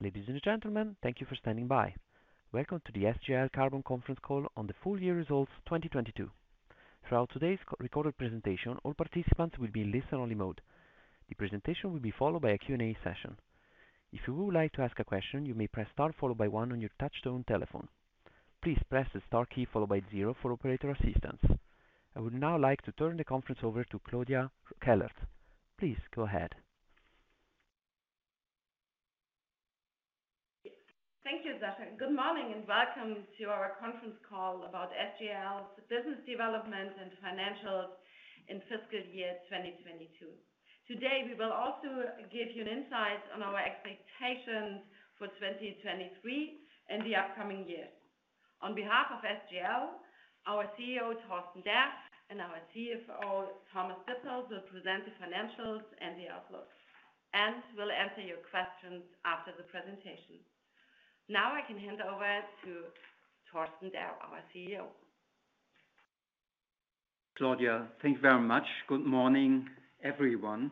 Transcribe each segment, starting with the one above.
Ladies and gentlemen, thank you for standing by. Welcome to the SGL Carbon conference call on the full year results 2022. Throughout today's recorded presentation, all participants will be in listen-only mode. The presentation will be followed by a Q&A session. If you would like to ask a question, you may press star followed by one on your touch-tone telephone. Please press the star key followed by zero for operator assistance. I would now like to turn the conference over to Claudia Kellert. Please go ahead. Thank you, Zafar. Good morning and welcome to our conference call about SGL's business development and financials in fiscal year 2022. Today, we will also give you an insight on our expectations for 2023 and the upcoming year. On behalf of SGL, our CEO, Torsten Derr, and our CFO, Thomas Dippold, will present the financials and the outlook, and will answer your questions after the presentation. Now I can hand over to Torsten Derr, our CEO. Claudia, thank you very much. Good morning, everyone.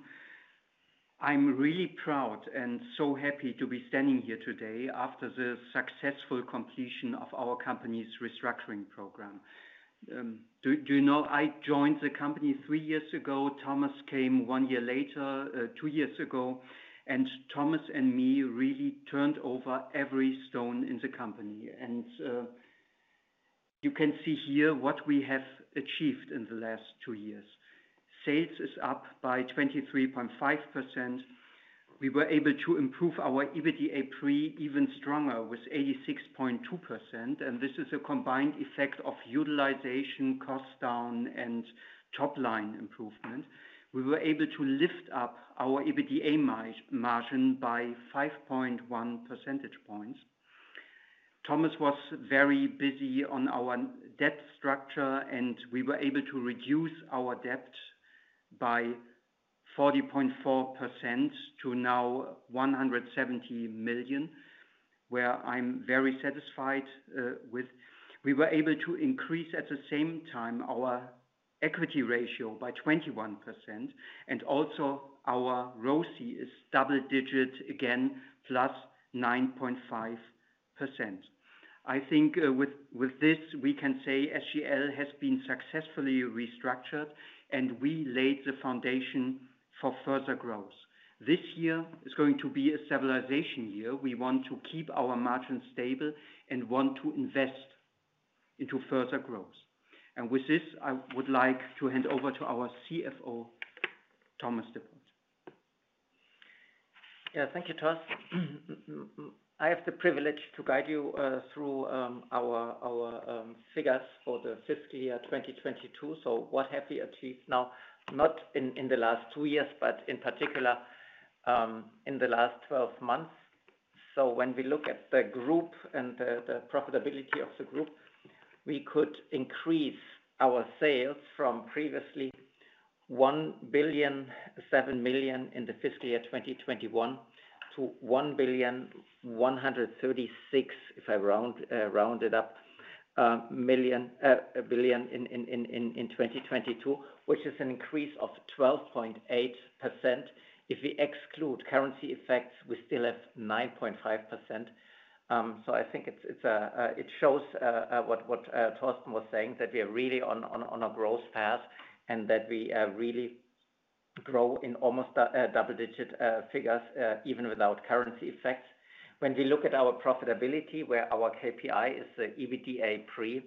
I'm really proud and so happy to be standing here today after the successful completion of our company's restructuring program. Do you know I joined the company three years ago. Thomas came one year later, two years ago, and Thomas and me really turned over every stone in the company. You can see here what we have achieved in the last two years. Sales is up by 23.5%. We were able to improve our EBITDApre even stronger with 86.2%, and this is a combined effect of utilization, cost down, and top line improvement. We were able to lift up our EBITDA margin by 5.1 percentage ponts. Thomas was very busy on our debt structure, and we were able to reduce our debt by 40.4% to now 170 million, where I'm very satisfied with. We were able to increase, at the same time, our equity ratio by 21% and also our ROCE is double-digit again, +9.5%. I think with this, we can say SGL has been successfully restructured, and we laid the foundation for further growth. This year is going to be a stabilization year. We want to keep our margins stable and want to invest into further growth. With this, I would like to hand over to our CFO, Thomas Dippold. Thank you, Torsten. I have the privilege to guide you through our figures for the fiscal year 2022. What have we achieved now, not in the last two years, but in particular, in the last 12 months. When we look at the group and the profitability of the group, we could increase our sales from previously 1.007 billion in the fiscal year 2021 to 1.136 billion, if I round it up, in 2022, which is an increase of 12.8%. If we exclude currency effects, we still have 9.5%. I think it's, it shows what Torsten was saying, that we are really on a growth path and that we really grow in almost double-digit figures even without currency effects. When we look at our profitability, where our KPI is the EBITDApre,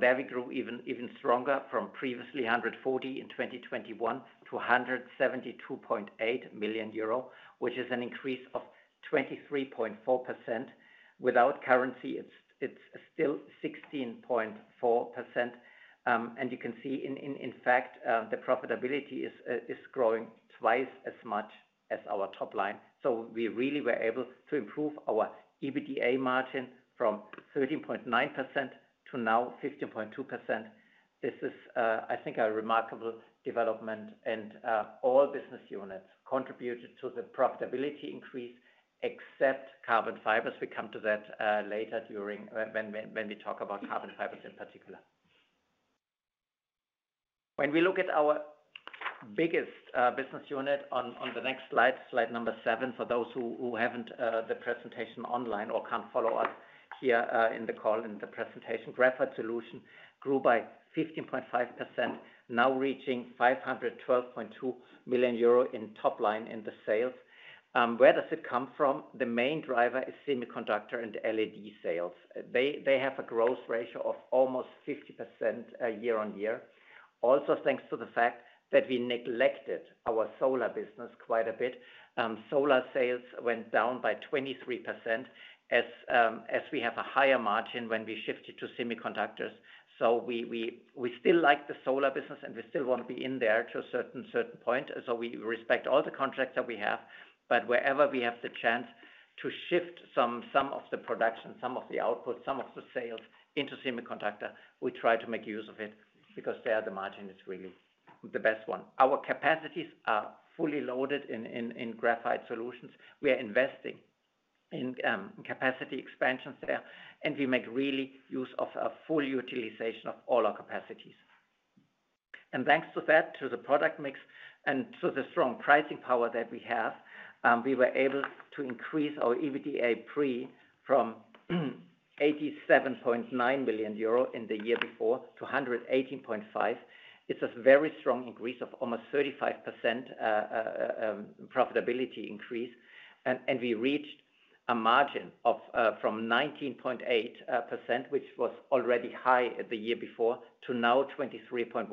there we grew even stronger from previously 140 million euro in 2021 to 172.8 million euro, which is an increase of 23.4%. Without currency, it's still 16.4%. You can see in fact, the profitability is growing twice as much as our top line. We really were able to improve our EBITDA margin from 13.9% to now 15.2%. This is, I think a remarkable development. All business units contributed to the profitability increase except Carbon Fibers. We come to that later when we talk about Carbon Fibers in particular. When we look at our biggest business unit on the next slide, slide number seven, for those who haven't the presentation online or can't follow us here in the call in the presentation. Graphite Solutions grew by 15.5%, now reaching 512.2 million euro in top line in the sales. Where does it come from? The main driver is semiconductor and LED sales. They have a growth ratio of almost 50% year-on-year. Also, thanks to the fact that we neglected our solar business quite a bit. Solar sales went down by 23% as we have a higher margin when we shifted to semiconductors. We still like the solar business, and we still want to be in there to a certain point. We respect all the contracts that we have, but wherever we have the chance to shift some of the production, some of the output, some of the sales into semiconductor, we try to make use of it because there the margin is really the best one. Our capacities are fully loaded in Graphite Solutions. We are investing in capacity expansions there, and we make really use of a full utilization of all our capacities. Thanks to that, to the product mix and to the strong pricing power that we have, we were able to increase our EBITDApre from 87.9 billion euro in the year before to 118.5 billion. It's a very strong increase of almost 35% profitability increase. We reached a margin of from 19.8%, which was already high the year before, to now 23.1%.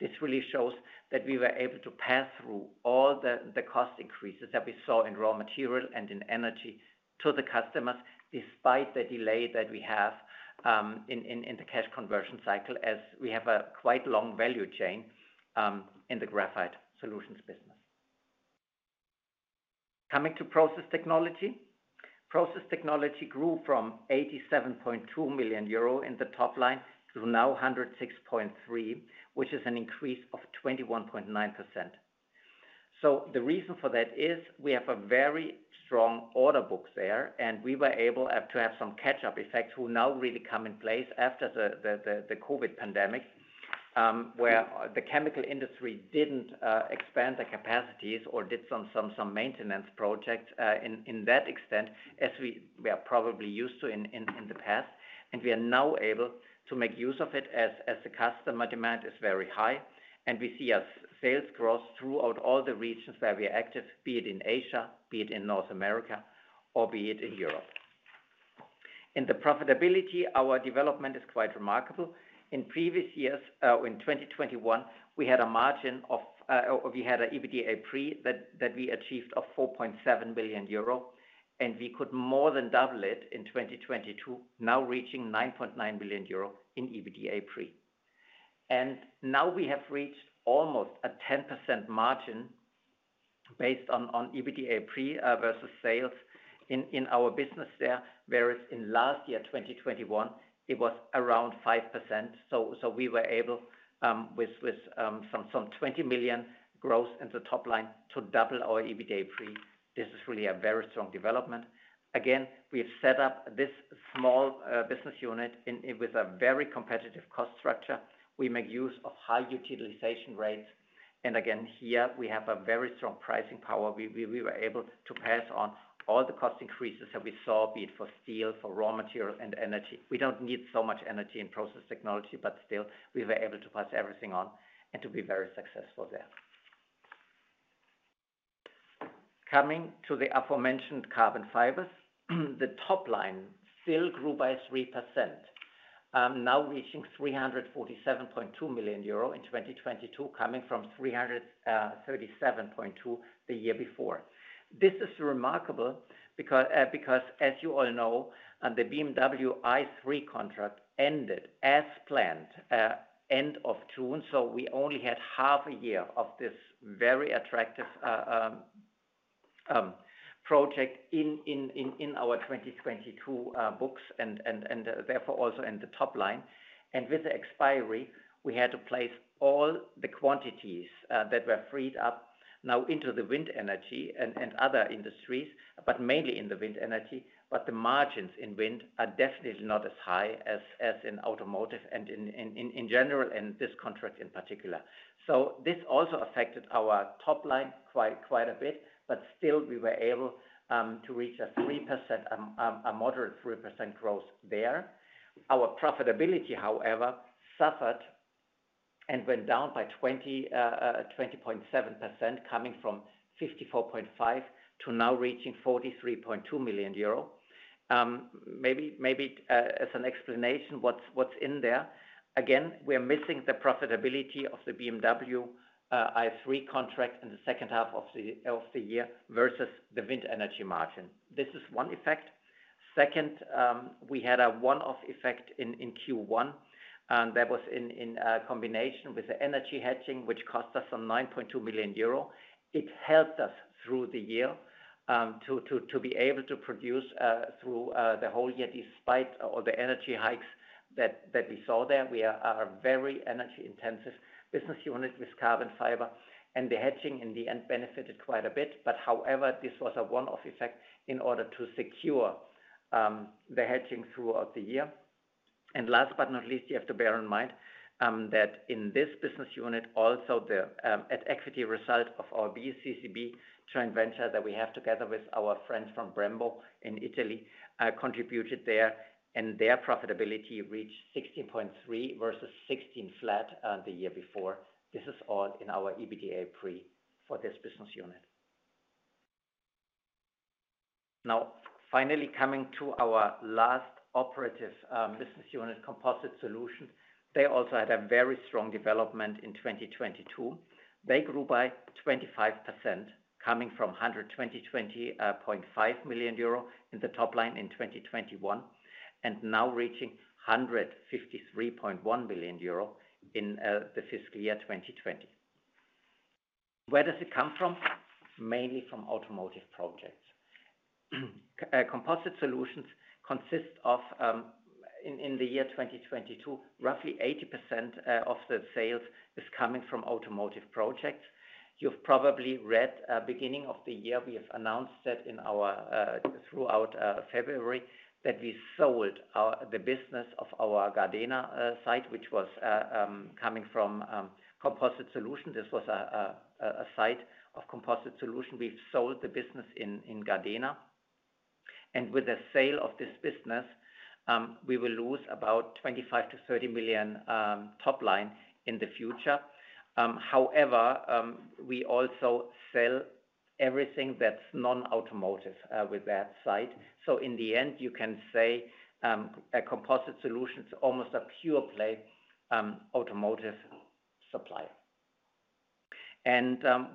This really shows that we were able to pass through all the cost increases that we saw in raw material and in energy to the customers, despite the delay that we have in the cash conversion cycle as we have a quite long value chain in the Graphite Solutions business. Coming to Process Technology. Process Technology grew from 87.2 million euro in the top line to now 106.3 million, which is an increase of 21.9%. The reason for that is we have a very strong order books there, and we were able to have some catch-up effects, who now really come in place after the COVID pandemic, where the chemical industry didn't expand the capacities or did some maintenance projects in that extent as we are probably used to in the past. We are now able to make use of it as the customer demand is very high. We see a sales growth throughout all the regions where we are active, be it in Asia, be it in North America, or be it in Europe. In the profitability, our development is quite remarkable. In previous years, in 2021, we had a margin of... We had a EBITDApre that we achieved of 4.7 billion euro, we could more than double it in 2022, now reaching 9.9 billion euro in EBITDApre. Now we have reached almost a 10% margin based on EBITDApre versus sales in our business there, whereas in last year, 2021, it was around 5%. We were able with some 20 million growth in the top line to double our EBITDApre. This is really a very strong development. Again, we have set up this small business unit with a very competitive cost structure. We make use of high utilization rates. Again, here we have a very strong pricing power. We were able to pass on all the cost increases that we saw, be it for steel, for raw material and energy. We don't need so much energy in Process Technology, but still we were able to pass everything on and to be very successful there. Coming to the aforementioned Carbon Fibers, the top line still grew by 3%, now reaching 347.2 million euro in 2022, coming from 337.2 million the year before. This is remarkable because as you all know, the BMW i3 contract ended as planned, end of June. We only had half a year of this very attractive project in our 2022 books and therefore also in the top line. With the expiry, we had to place all the quantities that were freed up now into the wind energy and other industries, but mainly in the wind energy. The margins in wind are definitely not as high as in automotive and in general, in this contract in particular. This also affected our top line quite a bit, but still we were able to reach a 3%, a moderate 3% growth there. Our profitability, however, suffered and went down by 20.7%, coming from 54.5 million to now reaching 43.2 million euro. Maybe as an explanation, what's in there. Again, we are missing the profitability of the BMW i3 contract in the second half of the year versus the wind energy margin. This is one effect. Second, we had a one-off effect in Q1, and that was in a combination with the energy hedging, which cost us some 9.2 million euro. It helped us through the year to be able to produce through the whole year despite all the energy hikes that we saw there. We are very energy-intensive business unit with carbon fiber and the hedging in the end benefited quite a bit. However, this was a one-off effect in order to secure the hedging throughout the year. Last but not least, you have to bear in mind that in this business unit also the at equity result of our BSCCB joint venture that we have together with our friends from Brembo in Italy contributed there, and their profitability reached 16.3 versus 16.0 the year before. This is all in our EBITDApre for this business unit. Finally coming to our last operative business unit, Composite Solutions. They also had a very strong development in 2022. They grew by 25%, coming from 122.5 million euro in the top line in 2021, and now reaching 153.1 million euro in the fiscal year 2020. Where does it come from? Mainly from automotive projects. Composite Solutions consists of in the year 2022, roughly 80% of the sales is coming from automotive projects. You've probably read beginning of the year, we have announced that in our throughout February that we sold the business of our Gardena site, which was coming from Composite Solutions. This was a site of Composite Solutions. We've sold the business in Gardena. With the sale of this business, we will lose about 25 million-30 million top line in the future. However, we also sell everything that's non-automotive with that site. In the end, you can say Composite Solutions is almost a pure play automotive supplier.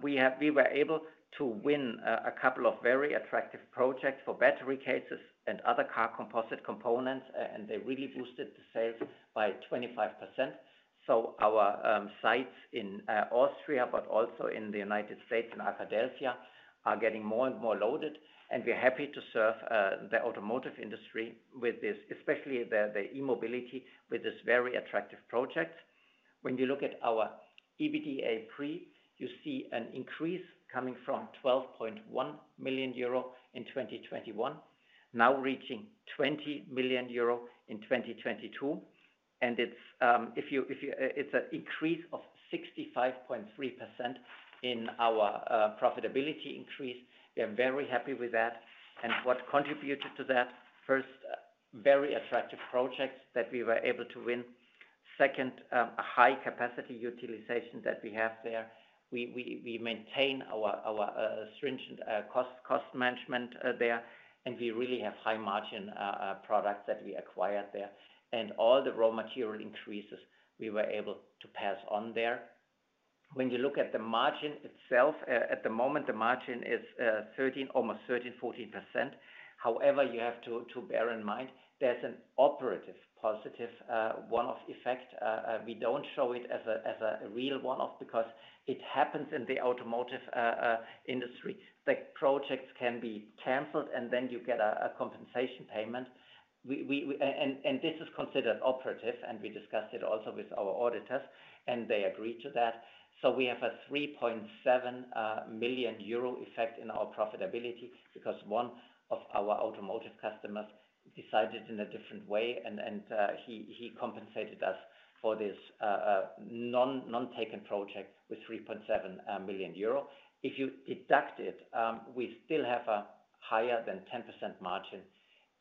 We were able to win a couple of very attractive projects for battery cases and other car composite components, and they really boosted the sales by 25%. Our sites in Austria, but also in the United States, in Arkadelphia, are getting more and more loaded, and we're happy to serve the automotive industry with this, especially the e-mobility, with this very attractive project. When you look at our EBITDApre, you see an increase coming from 12.1 million euro in 2021, now reaching 20 million euro in 2022. It's an increase of 65.3% in our profitability increase. We are very happy with that. What contributed to that, first, very attractive projects that we were able to win. Second, a high capacity utilization that we have there. We maintain our stringent cost management there, and we really have high margin products that we acquired there. All the raw material increases we were able to pass on there. When you look at the margin itself, at the moment, the margin is almost 13%, 14%. However, you have to bear in mind there's an operative positive one-off effect. We don't show it as a real one-off because it happens in the automotive industry, that projects can be canceled and then you get a compensation payment. This is considered operative, and we discussed it also with our auditors, and they agreed to that. We have a 3.7 million euro effect in our profitability because one of our automotive customers decided in a different way and he compensated us for this non-taken project with 3.7 million euro. If you deduct it, we still have a higher than 10% margin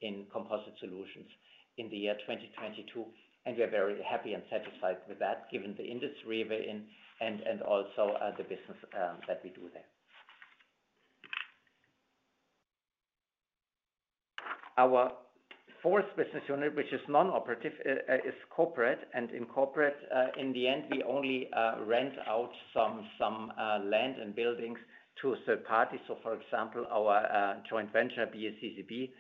in Composite Solutions in the year 2022, and we are very happy and satisfied with that, given the industry we're in and also the business that we do there. Our fourth business unit, which is non-operative, is corporate. In corporate, in the end, we only rent out some land and buildings to a third-party. For example, our joint venture, BSCCB,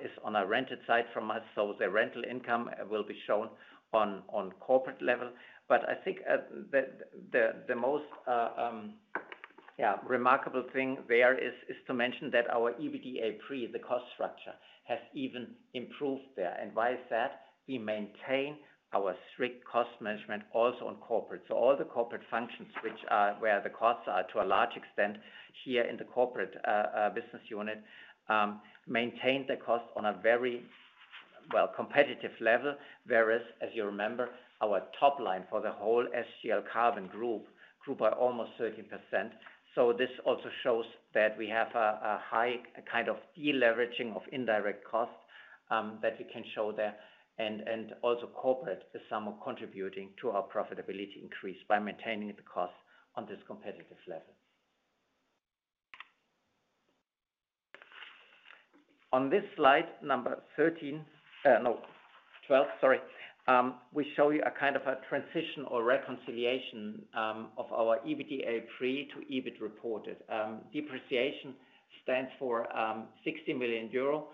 is on a rented site from us, so the rental income will be shown on corporate level. I think the most remarkable thing there is to mention that our EBITDApre the cost structure has even improved there. Why is that? We maintain our strict cost management also on corporate. All the corporate functions where the costs are to a large extent here in the corporate business unit, maintain the cost on a very, well, competitive level. Whereas, as you remember, our top line for the whole SGL Carbon Group grew by almost 13%. This also shows that we have a high kind of deleveraging of indirect costs that we can show there. Also corporate is somehow contributing to our profitability increase by maintaining the cost on this competitive level. On this slide number 13, no, 12, sorry, we show you a kind of a transition or reconciliation of our EBITDApre to EBIT reported. Depreciation stands for 60 million euro.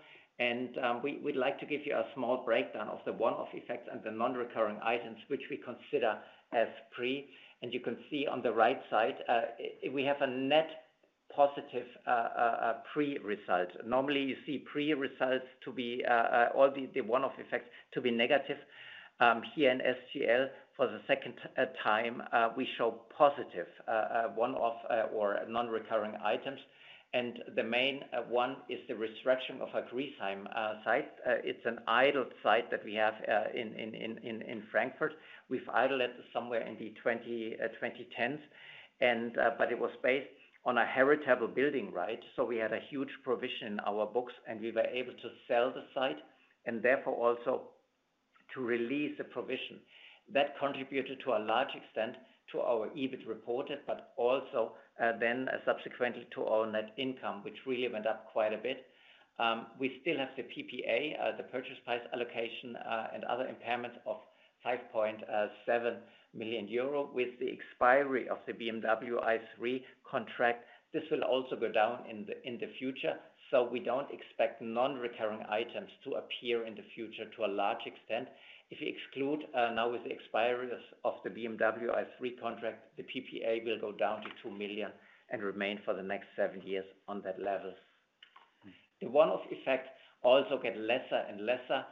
We'd like to give you a small breakdown of the one-off effects and the non-recurring items which we consider as pre. You can see on the right side, we have a net positive pre result. Normally you see pre results to be all the one-off effects to be negative. Here in SGL for the second time, we show positive one-off or non-recurring items. The main one is the restructuring of our Griesheim site. It's an idle site that we have in Frankfurt. We've idled it somewhere in the 2010s. It was based on a heritable building right. We had a huge provision in our books, and we were able to sell the site, and therefore also to release the provision. That contributed to a large extent to our EBIT reported, but also then subsequently to our net income, which really went up quite a bit. We still have the PPA, the purchase price allocation, and other impairments of 5.7 million euro. With the expiry of the BMW i3 contract, this will also go down in the future. We don't expect non-recurring items to appear in the future to a large extent. If you exclude, now with the expiry of the BMW i3 contract, the PPA will go down to 2 million and remain for the next seven years on that level. The one-off effects also get lesser and lesser.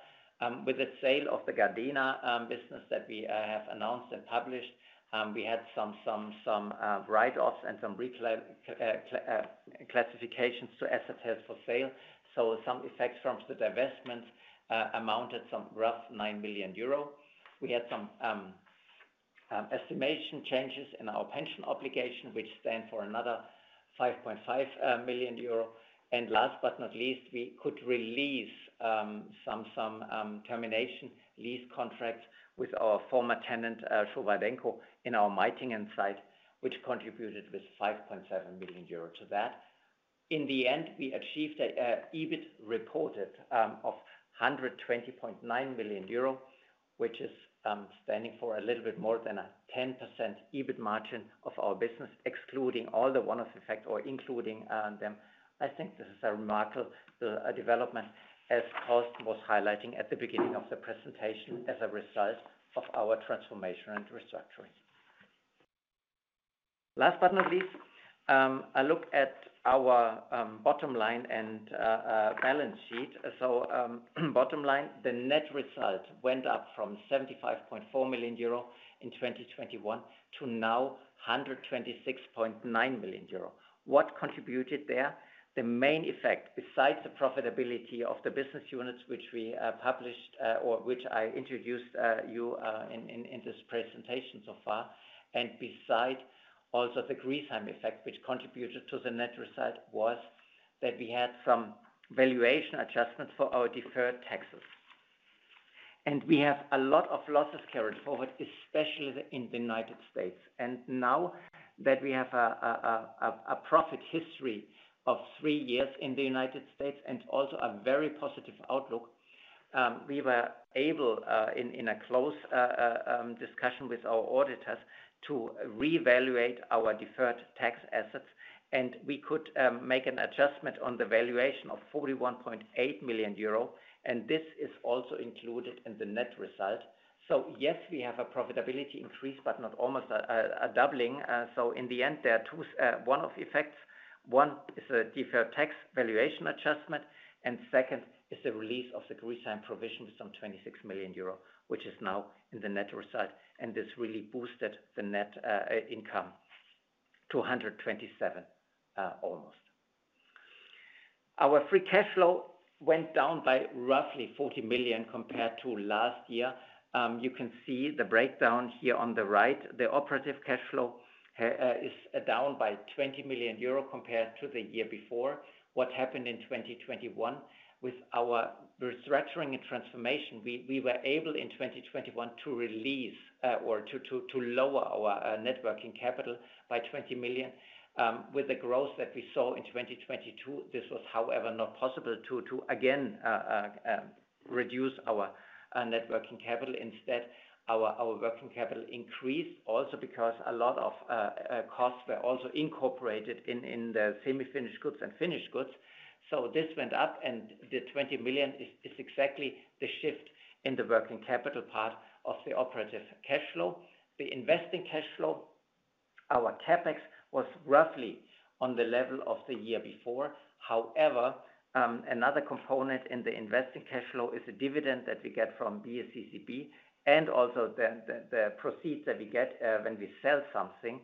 With the sale of the Gardena business that we have announced and published, we had some write-offs and some classifications to assets held for sale. Some effects from the divestment amounted some rough 9 million euro. We had some estimation changes in our pension obligation, which stand for another 5.5 million euro. Last but not least, we could release some termination lease contracts with our former tenant, Showa Denko, in our Meitingen site, which contributed with 5.7 million euro to that. In the end, we achieved a EBIT reported of 120.9 million euro, which is standing for a little bit more than a 10% EBIT margin of our business, excluding all the one-off effect or including them. I think this is a remarkable development, as Torsten was highlighting at the beginning of the presentation, as a result of our transformation and restructuring. Last but not least, a look at our bottom line and balance sheet. Bottom line, the net result went up from 75.4 million euro in 2021 to now 126.9 million euro. What contributed there? The main effect, besides the profitability of the business units which we published or which I introduced in this presentation so far, and beside also the Griesheim effect, which contributed to the net result, was that we had some valuation adjustments for our deferred taxes. We have a lot of losses carried forward, especially in the United States. Now that we have a profit history of three years in the United States and also a very positive outlook, we were able in a close discussion with our auditors to reevaluate our deferred tax assets, we could make an adjustment on the valuation of 41.8 million euro, this is also included in the net result. Yes, we have a profitability increase, but not almost a doubling. In the end, there are two one-off effects. One is a deferred tax valuation adjustment, and second is the release of the Griesheim provision of some 26 million euro, which is now in the net result. This really boosted the net income to almost EUR 127 million. Our free cash flow went down by roughly 40 million compared to last year. You can see the breakdown here on the right. The operative cash flow is down by 20 million euro compared to the year before. What happened in 2021? With our restructuring and transformation, we were able in 2021 to release or to lower our net working capital by 20 million. With the growth that we saw in 2022, this was, however, not possible to again reduce our net working capital. Instead, our working capital increased also because a lot of costs were also incorporated in the semi-finished goods and finished goods. This went up, and the 20 million is exactly the shift in the working capital part of the operative cash flow. The investing cash flow, our CapEx was roughly on the level of the year before. However, another component in the investing cash flow is the dividend that we get from BSCCB and also the proceeds that we get when we sell something.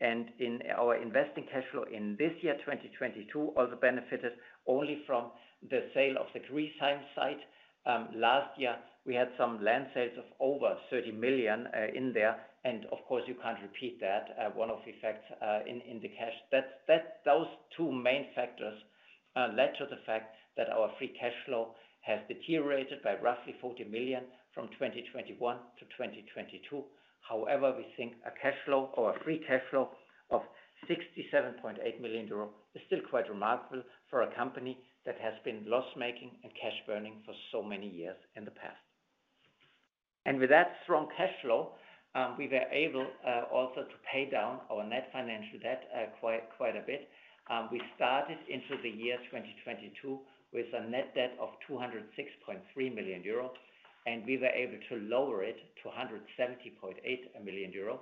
In our investing cash flow in this year, 2022, also benefited only from the sale of the Griesheim site. Last year we had some land sales of over 30 million in there, and of course you can't repeat that. One-off effects in the cash. Those two main factors led to the fact that our free cash flow has deteriorated by roughly 40 million from 2021 to 2022. However, we think a cash flow or a free cash flow of 67.8 million euro is still quite remarkable for a company that has been loss-making and cash burning for so many years in the past. With that strong cash flow, we were able also to pay down our net financial debt quite a bit. We started into the year 2022 with a net debt of 206.3 million euro, and we were able to lower it to 170.8 million euro.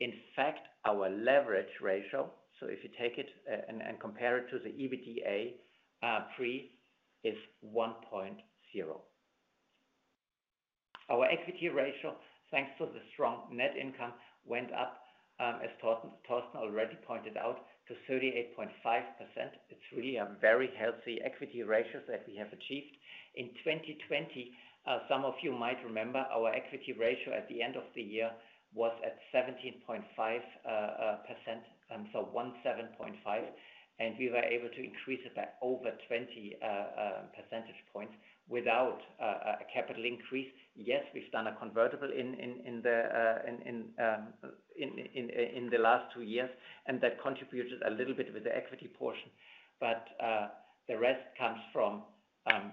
In fact, our leverage ratio, so if you take it, and compare it to the EBITDApre, is 1.0. Our equity ratio, thanks to the strong net income, went up, as Torsten already pointed out, to 38.5%. It's really a very healthy equity ratios that we have achieved. In 2020, some of you might remember our equity ratio at the end of the year was at 17.5%, and we were able to increase it by over 20 percentage points without a capital increase. Yes, we've done a convertible in the last two years, and that contributed a little bit with the equity portion. The rest comes from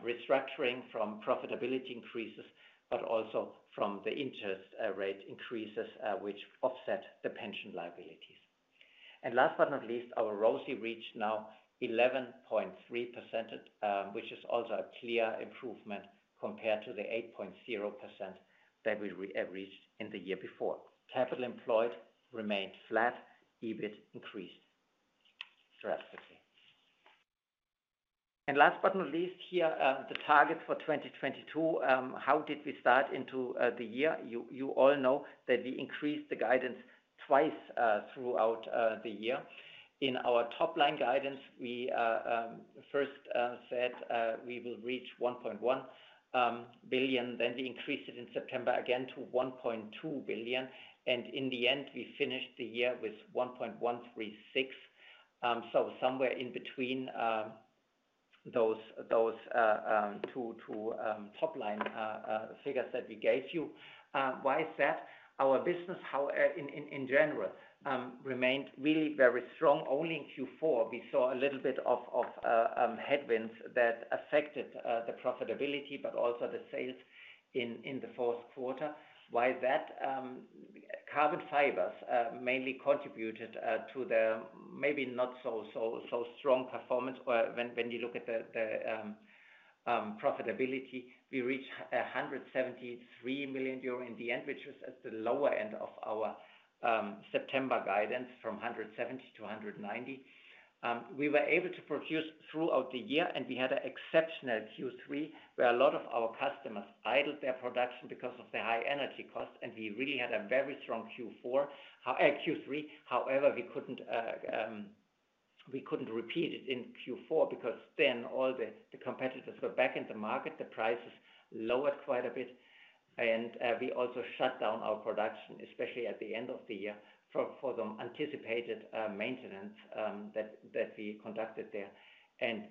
restructuring from profitability increases, but also from the interest rate increases, which offset the pension liabilities. Last but not least, our ROCE reached now 11.3%, which is also a clear improvement compared to the 8.0% that we reached in the year before. Capital employed remained flat, EBIT increased drastically. Last but not least, here the target for 2022, how did we start into the year? You all know that we increased the guidance twice throughout the year. In our top-line guidance, we first said we will reach 1.1 billion. We increased it in September again to 1.2 billion. In the end, we finished the year with 1.136 billion. Somewhere in between those two top-line figures that we gave you. Why is that? Our business in general remained really very strong. Only in Q4 we saw a little bit of headwinds that affected the profitability but also the sales in the fourth quarter. Why is that? Carbon Fibers mainly contributed to the maybe not so strong performance when you look at the profitability. We reached 173 million euro in the end, which was at the lower end of our September guidance from 170 million-190 million. We were able to produce throughout the year, and we had an exceptional Q3, where a lot of our customers idled their production because of the high energy costs, and we really had a very strong Q4, Q3. However, we couldn't repeat it in Q4 because all the competitors were back in the market. The prices lowered quite a bit. We also shut down our production, especially at the end of the year, for the anticipated maintenance that we conducted there.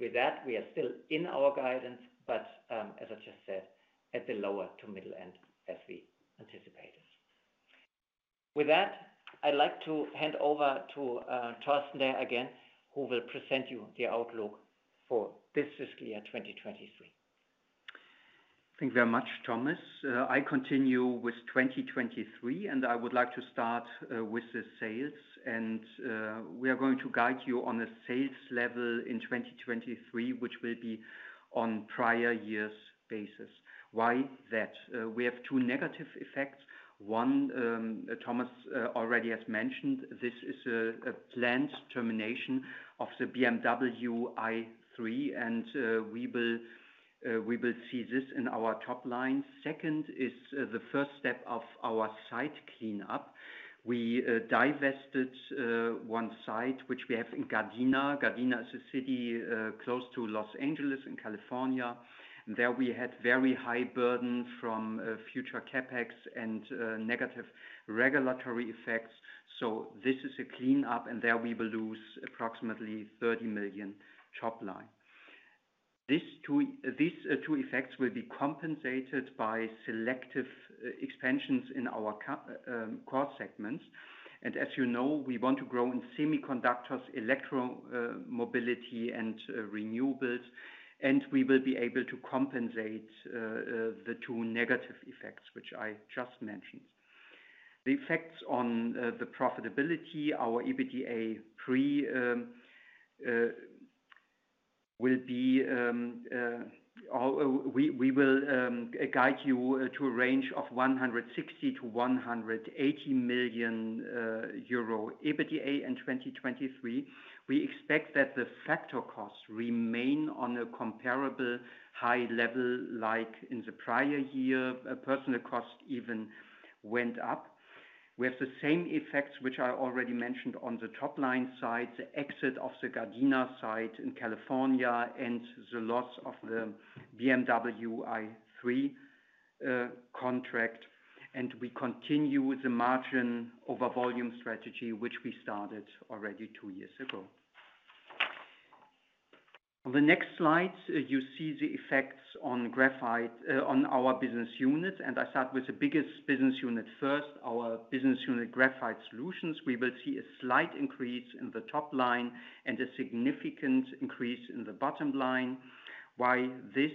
With that, we are still in our guidance, but, as I just said, at the lower to middle end as we anticipated. With that, I'd like to hand over to Torsten Derr again, who will present you the outlook for this fiscal year, 2023. Thank you very much, Thomas. I continue with 2023, and I would like to start with the sales. We are going to guide you on a sales level in 2023, which will be on prior years' basis. Why that? We have two negative effects. One, Thomas already has mentioned. This is a planned termination of the BMW i3. We will see this in our top line. Second is the first step of our site cleanup. We divested one site which we have in Gardena. Gardena is a city close to Los Angeles in California. There we had very high burden from future CapEx and negative regulatory effects. This is a cleanup. There we will lose approximately 30 million top line. These two effects will be compensated by selective expansions in our core segments. As you know, we want to grow in semiconductors, electro mobility, and renewables. We will be able to compensate the two negative effects which I just mentioned. The effects on the profitability, our EBITDApre, we will guide you to a range of 160 million-180 million euro EBITDA in 2023. We expect that the factor costs remain on a comparable high level like in the prior year. Personal cost even went up. We have the same effects which I already mentioned on the top-line side, the exit of the Gardena site in California and the loss of the BMW i3 contract. We continue with the margin over volume strategy, which we started already two years ago. On the next slides, you see the effects on graphite on our business units, and I start with the biggest business unit first, our business unit Graphite Solutions. We will see a slight increase in the top line and a significant increase in the bottom line. Why this?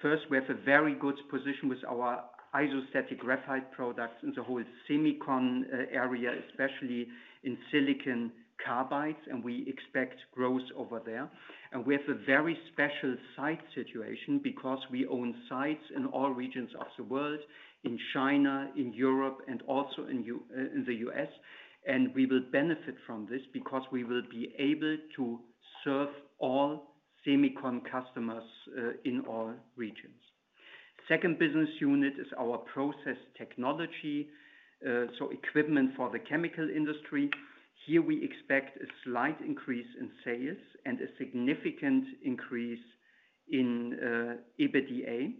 First, we have a very good position with our isostatic graphite products in the whole semicon area, especially in silicon carbides, and we expect growth over there. We have a very special site situation because we own sites in all regions of the world, in China, in Europe, and also in the U.S. We will benefit from this because we will be able to serve all semicon customers in all regions. Second business unit is our Process Technology, so equipment for the chemical industry. Here we expect a slight increase in sales and a significant increase in EBITDA.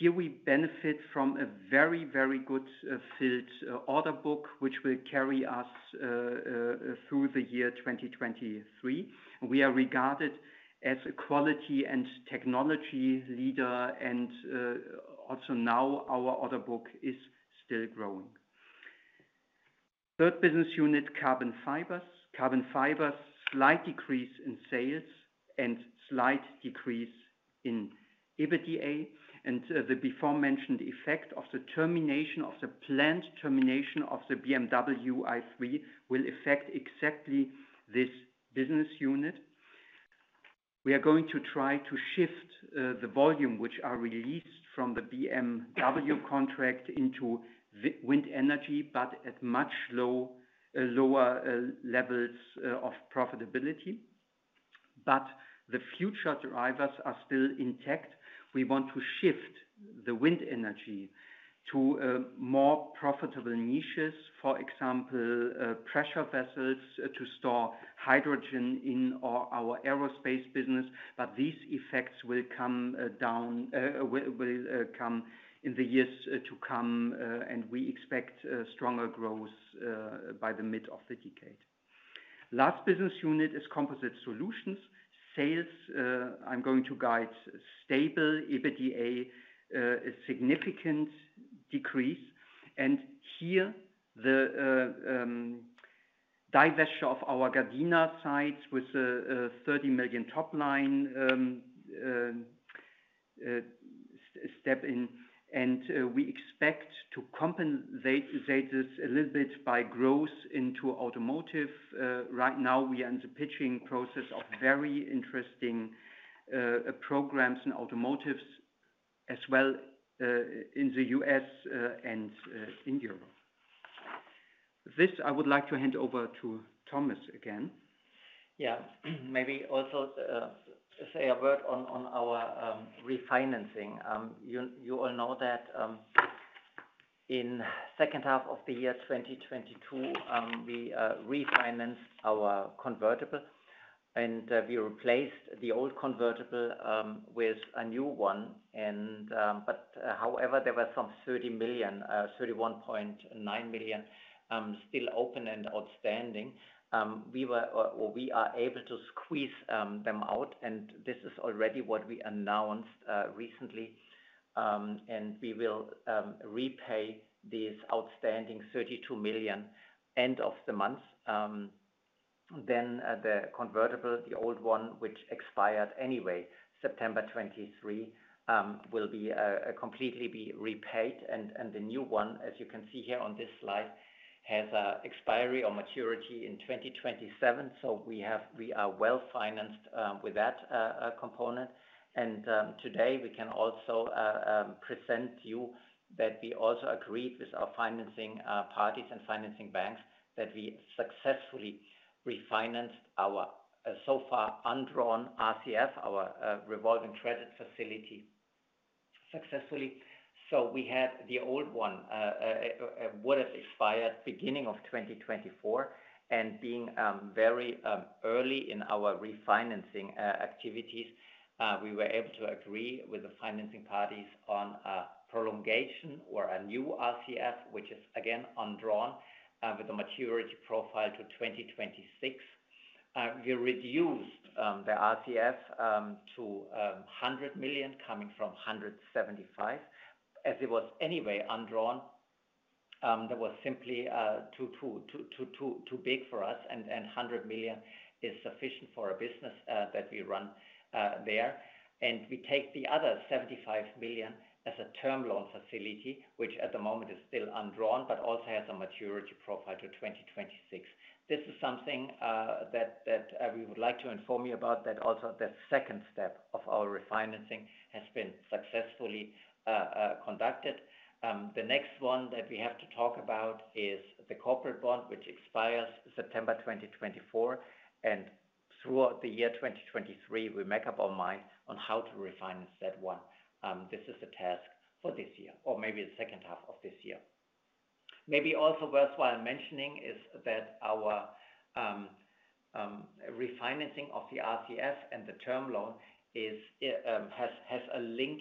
Here we benefit from a very, very good filled order book, which will carry us through the year 2023. We are regarded as a quality and technology leader and also now our order book is still growing. Third business unit, Carbon Fibers. Carbon Fibers, slight decrease in sales and slight decrease in EBITDA and the before mentioned effect of the termination of the planned termination of the BMW i3 will affect exactly this business unit. We are going to try to shift the volume which are released from the BMW contract into wind energy, but at much low lower levels of profitability. The future drivers are still intact. We want to shift the wind energy to more profitable niches, for example, pressure vessels to store hydrogen in our aerospace business. These effects will come down, will come in the years to come. We expect stronger growth by the mid of the decade. Last business unit is Composite Solutions. Sales, I'm going to guide stable EBITDA, a significant decrease. Here the divesture of our Gardena sites with 30 million top line, we expect to compensate this a little bit by growth into automotive. Right now we are in the pitching process of very interesting programs in automotives as well, in the U.S. and in Europe. This I would like to hand over to Thomas again. Yeah. Maybe also say a word on our refinancing. You all know that in second half of the year 2022, we refinanced our convertible and we replaced the old convertible with a new one. However, there were some 30 million, 31.9 million still open and outstanding. We were, or we are able to squeeze them out, and this is already what we announced recently. We will repay these outstanding 32 million end of the month. The convertible, the old one, which expired anyway September 2023, will be completely repaid. The new one, as you can see here on this slide, has a expiry or maturity in 2027. We are well-financed with that component. Today we can also present you that we also agreed with our financing parties and financing banks that we successfully refinanced our so far undrawn RCF, our revolving credit facility successfully. We had the old one would have expired beginning of 2024. Being very early in our refinancing activities, we were able to agree with the financing parties on a prolongation or a new RCF, which is again undrawn, with a maturity profile to 2026. We reduced the RCF to 100 million coming from 175 million. As it was anyway undrawn, that was simply too big for us, and 100 million is sufficient for a business that we run there. We take the other 75 million as a term loan facility, which at the moment is still undrawn but also has a maturity profile to 2026. This is something that we would like to inform you about, that also the second step of our refinancing has been successfully conducted. The next one that we have to talk about is the corporate bond, which expires September 2024. Throughout the year 2023, we make up our mind on how to refinance that one. This is the task for this year or maybe the second half of this year. Maybe also worthwhile mentioning is that our refinancing of the RCF and the term loan has a link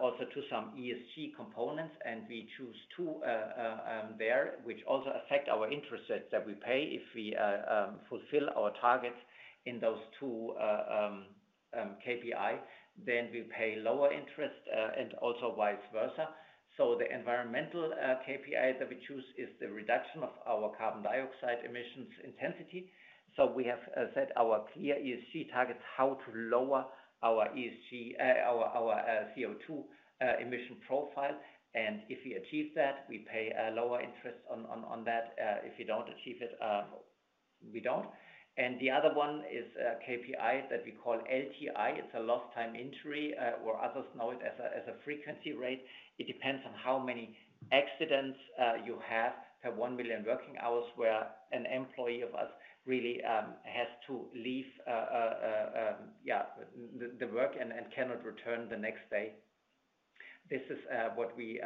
also to some ESG components, and we choose two there, which also affect our interest rates that we pay. If we fulfill our targets in those two KPI, we pay lower interest and also vice versa. The environmental KPI that we choose is the reduction of our carbon dioxide emissions intensity. We have set our clear ESG targets how to lower our CO2 emission profile. If we achieve that, we pay a lower interest on that. If we don't achieve it, we don't. The other one is a KPI that we call LTI. It's a lost time injury, or others know it as a frequency rate. It depends on how many accidents you have per 1 million working hours, where an employee of us really has to leave the work and cannot return the next day. This is what we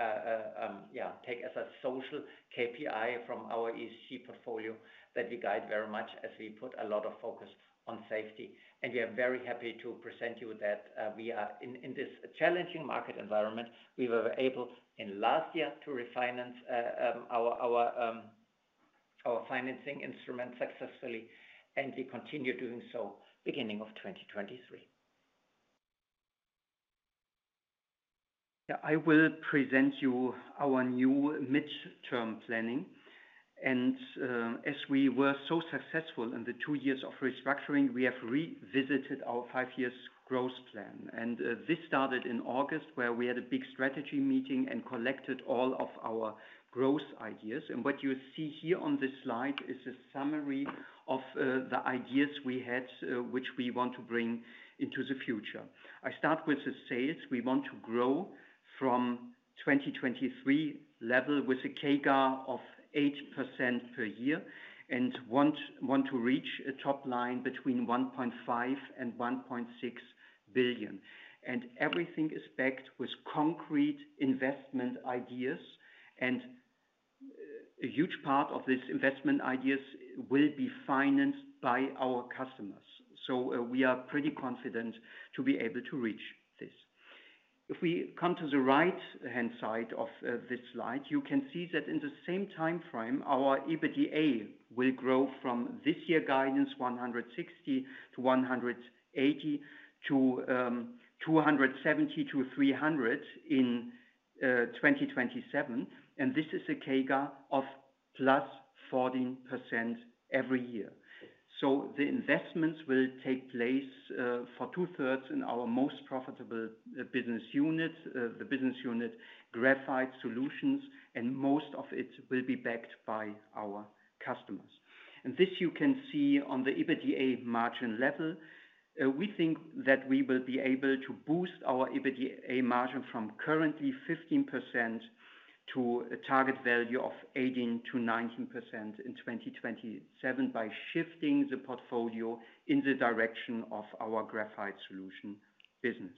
take as a social KPI from our ESG portfolio that we guide very much as we put a lot of focus on safety. We are very happy to present you that we are in this challenging market environment, we were able in last year to refinance our financing instrument successfully, and we continue doing so beginning of 2023. Yeah, I will present you our new mid-term planning. As we were so successful in the two years of restructuring, we have revisited our five-year growth plan. This started in August, where we had a big strategy meeting and collected all of our growth ideas. What you see here on this slide is a summary of the ideas we had, which we want to bring into the future. I start with the sales. We want to grow from 2023 level with a CAGR of 8% per year and want to reach a top line between 1.5 billion and 1.6 billion. Everything is backed with concrete investment ideas, and a huge part of this investment ideas will be financed by our customers. We are pretty confident to be able to reach this. If we come to the right-hand side of this slide, you can see that in the same time frame, our EBITDA will grow from this year guidance 160 million-180 million to 270 million-300 million in 2027. This is a CAGR of +14% every year. The investments will take place for 2/3 in our most profitable business unit, the business unit Graphite Solutions, and most of it will be backed by our customers. This you can see on the EBITDA margin level. We think that we will be able to boost our EBITDA margin from currently 15% to a target value of 18%-19% in 2027 by shifting the portfolio in the direction of our Graphite Solutions business.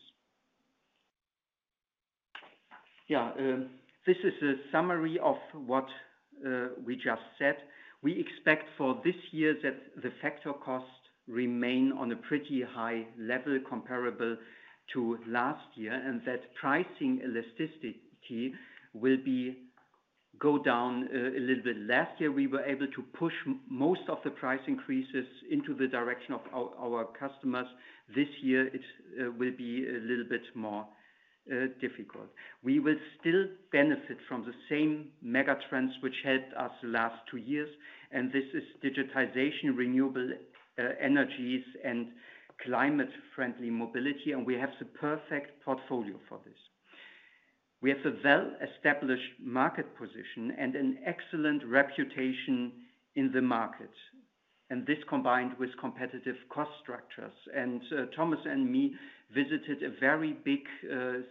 Yeah, this is a summary of what we just said. We expect for this year that the factor costs remain on a pretty high level comparable to last year, and that pricing elasticity will go down a little bit. Last year, we were able to push most of the price increases into the direction of our customers. This year it will be a little bit more difficult. We will still benefit from the same mega trends which helped us the last two years, and this is digitization, renewable energies, and climate friendly mobility, and we have the perfect portfolio for this. We have a well-established market position and an excellent reputation in the market. This combined with competitive cost structures. Thomas and me visited a very big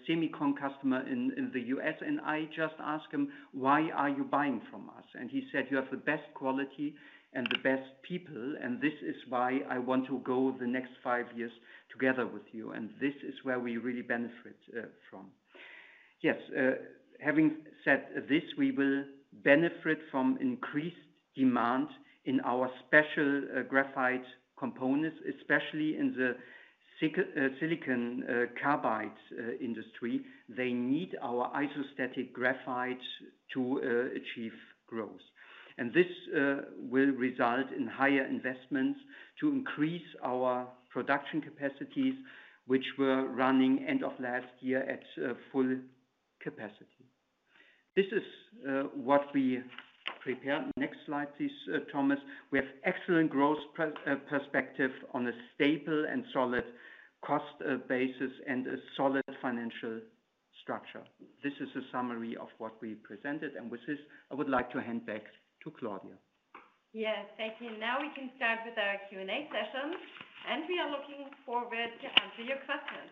semicon customer in the U.S., I just asked him, "Why are you buying from us?" He said, "You have the best quality and the best people, and this is why I want to go the next five years together with you." This is where we really benefit from. Yes, having said this, we will benefit from increased demand in our special graphite components, especially in the silicon carbide industry. They need our isostatic graphite to achieve growth. This will result in higher investments to increase our production capacities, which were running end of last year at full capacity. This is what we prepared. Next slide, please, Thomas. We have excellent growth perspective on a stable and solid cost basis and a solid financial structure. This is a summary of what we presented. With this, I would like to hand back to Claudia. Thank you. Now we can start with our Q&A session, and we are looking forward to answer your questions.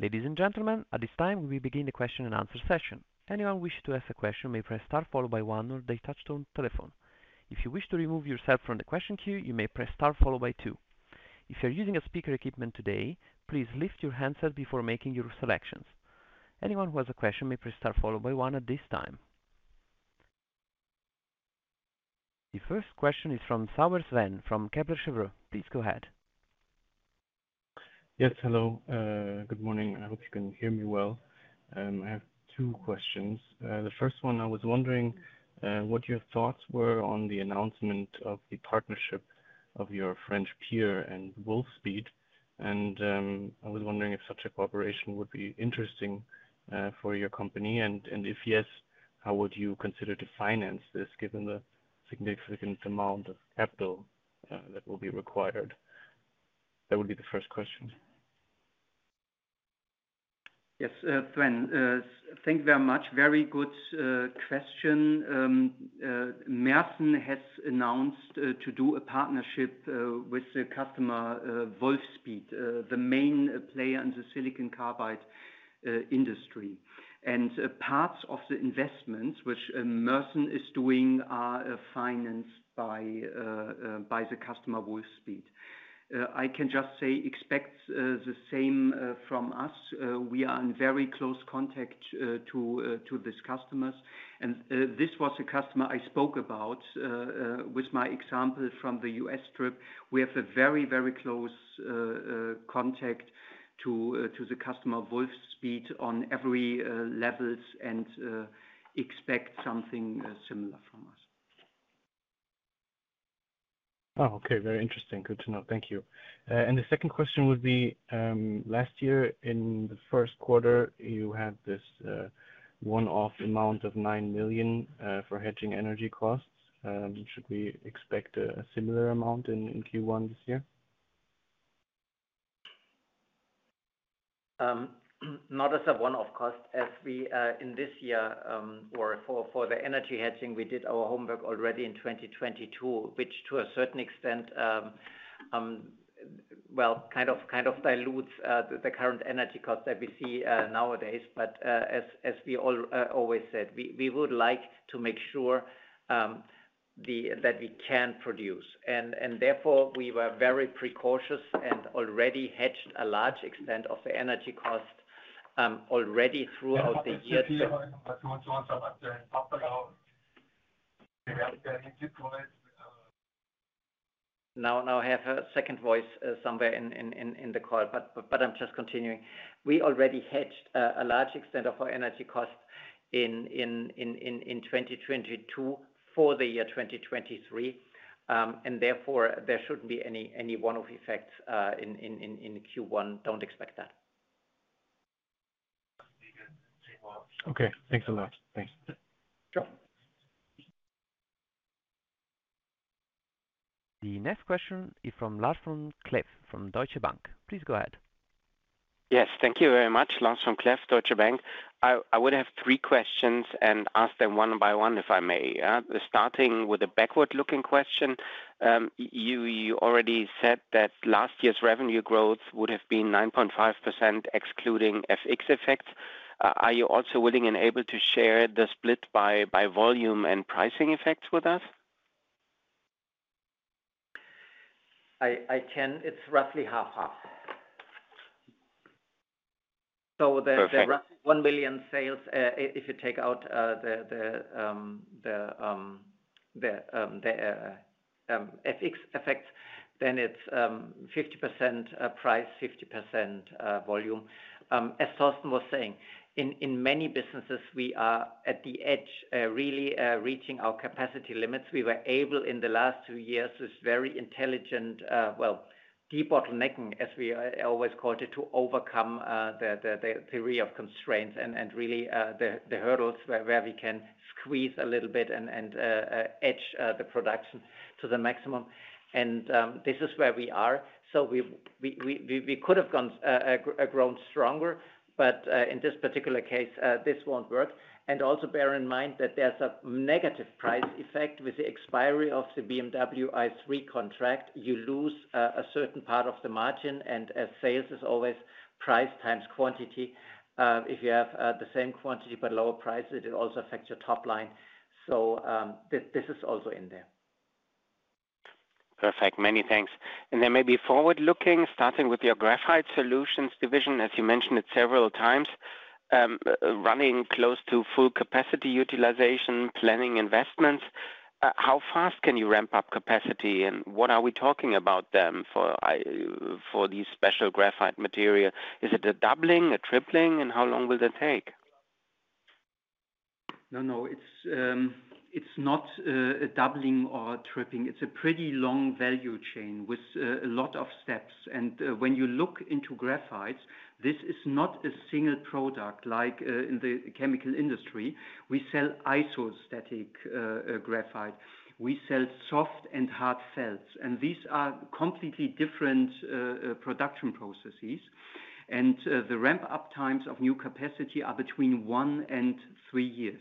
Ladies and gentlemen, at this time, we begin the question-and-answer session. Anyone wishing to ask a question may press star followed by one on their touch-tone telephone. If you wish to remove yourself from the question queue, you may press star followed by two. If you're using a speaker equipment today, please lift your handset before making your selections. Anyone who has a question may press star followed by one at this time. The first question is from Sven Sauer from Kepler Cheuvreux. Please go ahead. Yes, hello. Good morning. I hope you can hear me well. I have two questions. The first one, I was wondering what your thoughts were on the announcement of the partnership of your French peer and Wolfspeed. I was wondering if such a cooperation would be interesting for your company. If yes, how would you consider to finance this, given the significant amount of capital that will be required? That would be the first question. Yes, Sven, thank you very much. Very good question. Meitingen has announced to do a partnership with the customer Wolfspeed, the main player in the silicon carbide industry. Parts of the investments which Meitingen is doing are financed by the customer Wolfspeed. I can just say expect the same from us. We are in very close contact to this customers. This was a customer I spoke about with my example from the U.S. trip. We have a very, very close contact to the customer Wolfspeed on every levels, and expect something similar from us. Okay. Very interesting. Good to know. Thank you. The second question would be, last year in the first quarter, you had this one-off amount of 9 million for hedging energy costs. Should we expect a similar amount in Q1 this year? Not as a one-off cost as we in this year, or for the energy hedging, we did our homework already in 2022, which to a certain extent, well, kind of dilutes the current energy costs that we see nowadays. As we all always said, we would like to make sure that we can produce. Therefore, we were very precautious and already hedged a large extent of the energy cost already throughout the year. Now I have a second voice somewhere in the call, but I'm just continuing. We already hedged a large extent of our energy costs in 2022 for the year 2023. Therefore, there shouldn't be any one-off effects in Q1. Don't expect that. Okay. Thanks a lot. Thanks. Sure. The next question is from Lars Vom Cleff from Deutsche Bank. Please go ahead. Yes. Thank you very much. Lars Vom Cleff, Deutsche Bank. I would have three questions and ask them one by one, if I may. Starting with a backward-looking question. you already said that last year's revenue growth would have been 9.5% excluding FX effects. Are you also willing and able to share the split by volume and pricing effects with us? I can. It's roughly 50/50. The, the rough 1 million sales, if you take out the FX effects, then it's 50% price, 50% volume. As Torsten was saying, in many businesses we are at the edge, really reaching our capacity limits. We were able in the last two years with very intelligent, well, debottlenecking, as we always called it, to overcome the theory of constraints and really the hurdles where we can squeeze a little bit and edge the production to the maximum. This is where we are. We could have grown stronger, but in this particular case, this won't work. Also bear in mind that there's a negative price effect with the expiry of the BMW i3 contract. You lose a certain part of the margin, and as sales is always price times quantity, if you have the same quantity but lower prices, it also affects your top line. This is also in there. Perfect. Many thanks. Then maybe forward-looking, starting with your Graphite Solutions division, as you mentioned it several times, running close to full capacity utilization, planning investments. How fast can you ramp up capacity, and what are we talking about then for these special graphite material? Is it a doubling, a tripling, and how long will that take? No, no, it's not a doubling or a tripling. It's a pretty long value chain with a lot of steps. When you look into graphite, this is not a single product like in the chemical industry. We sell isostatic graphite. We sell soft and rigid felts, and these are completely different production processes. The ramp-up times of new capacity are between one and three years.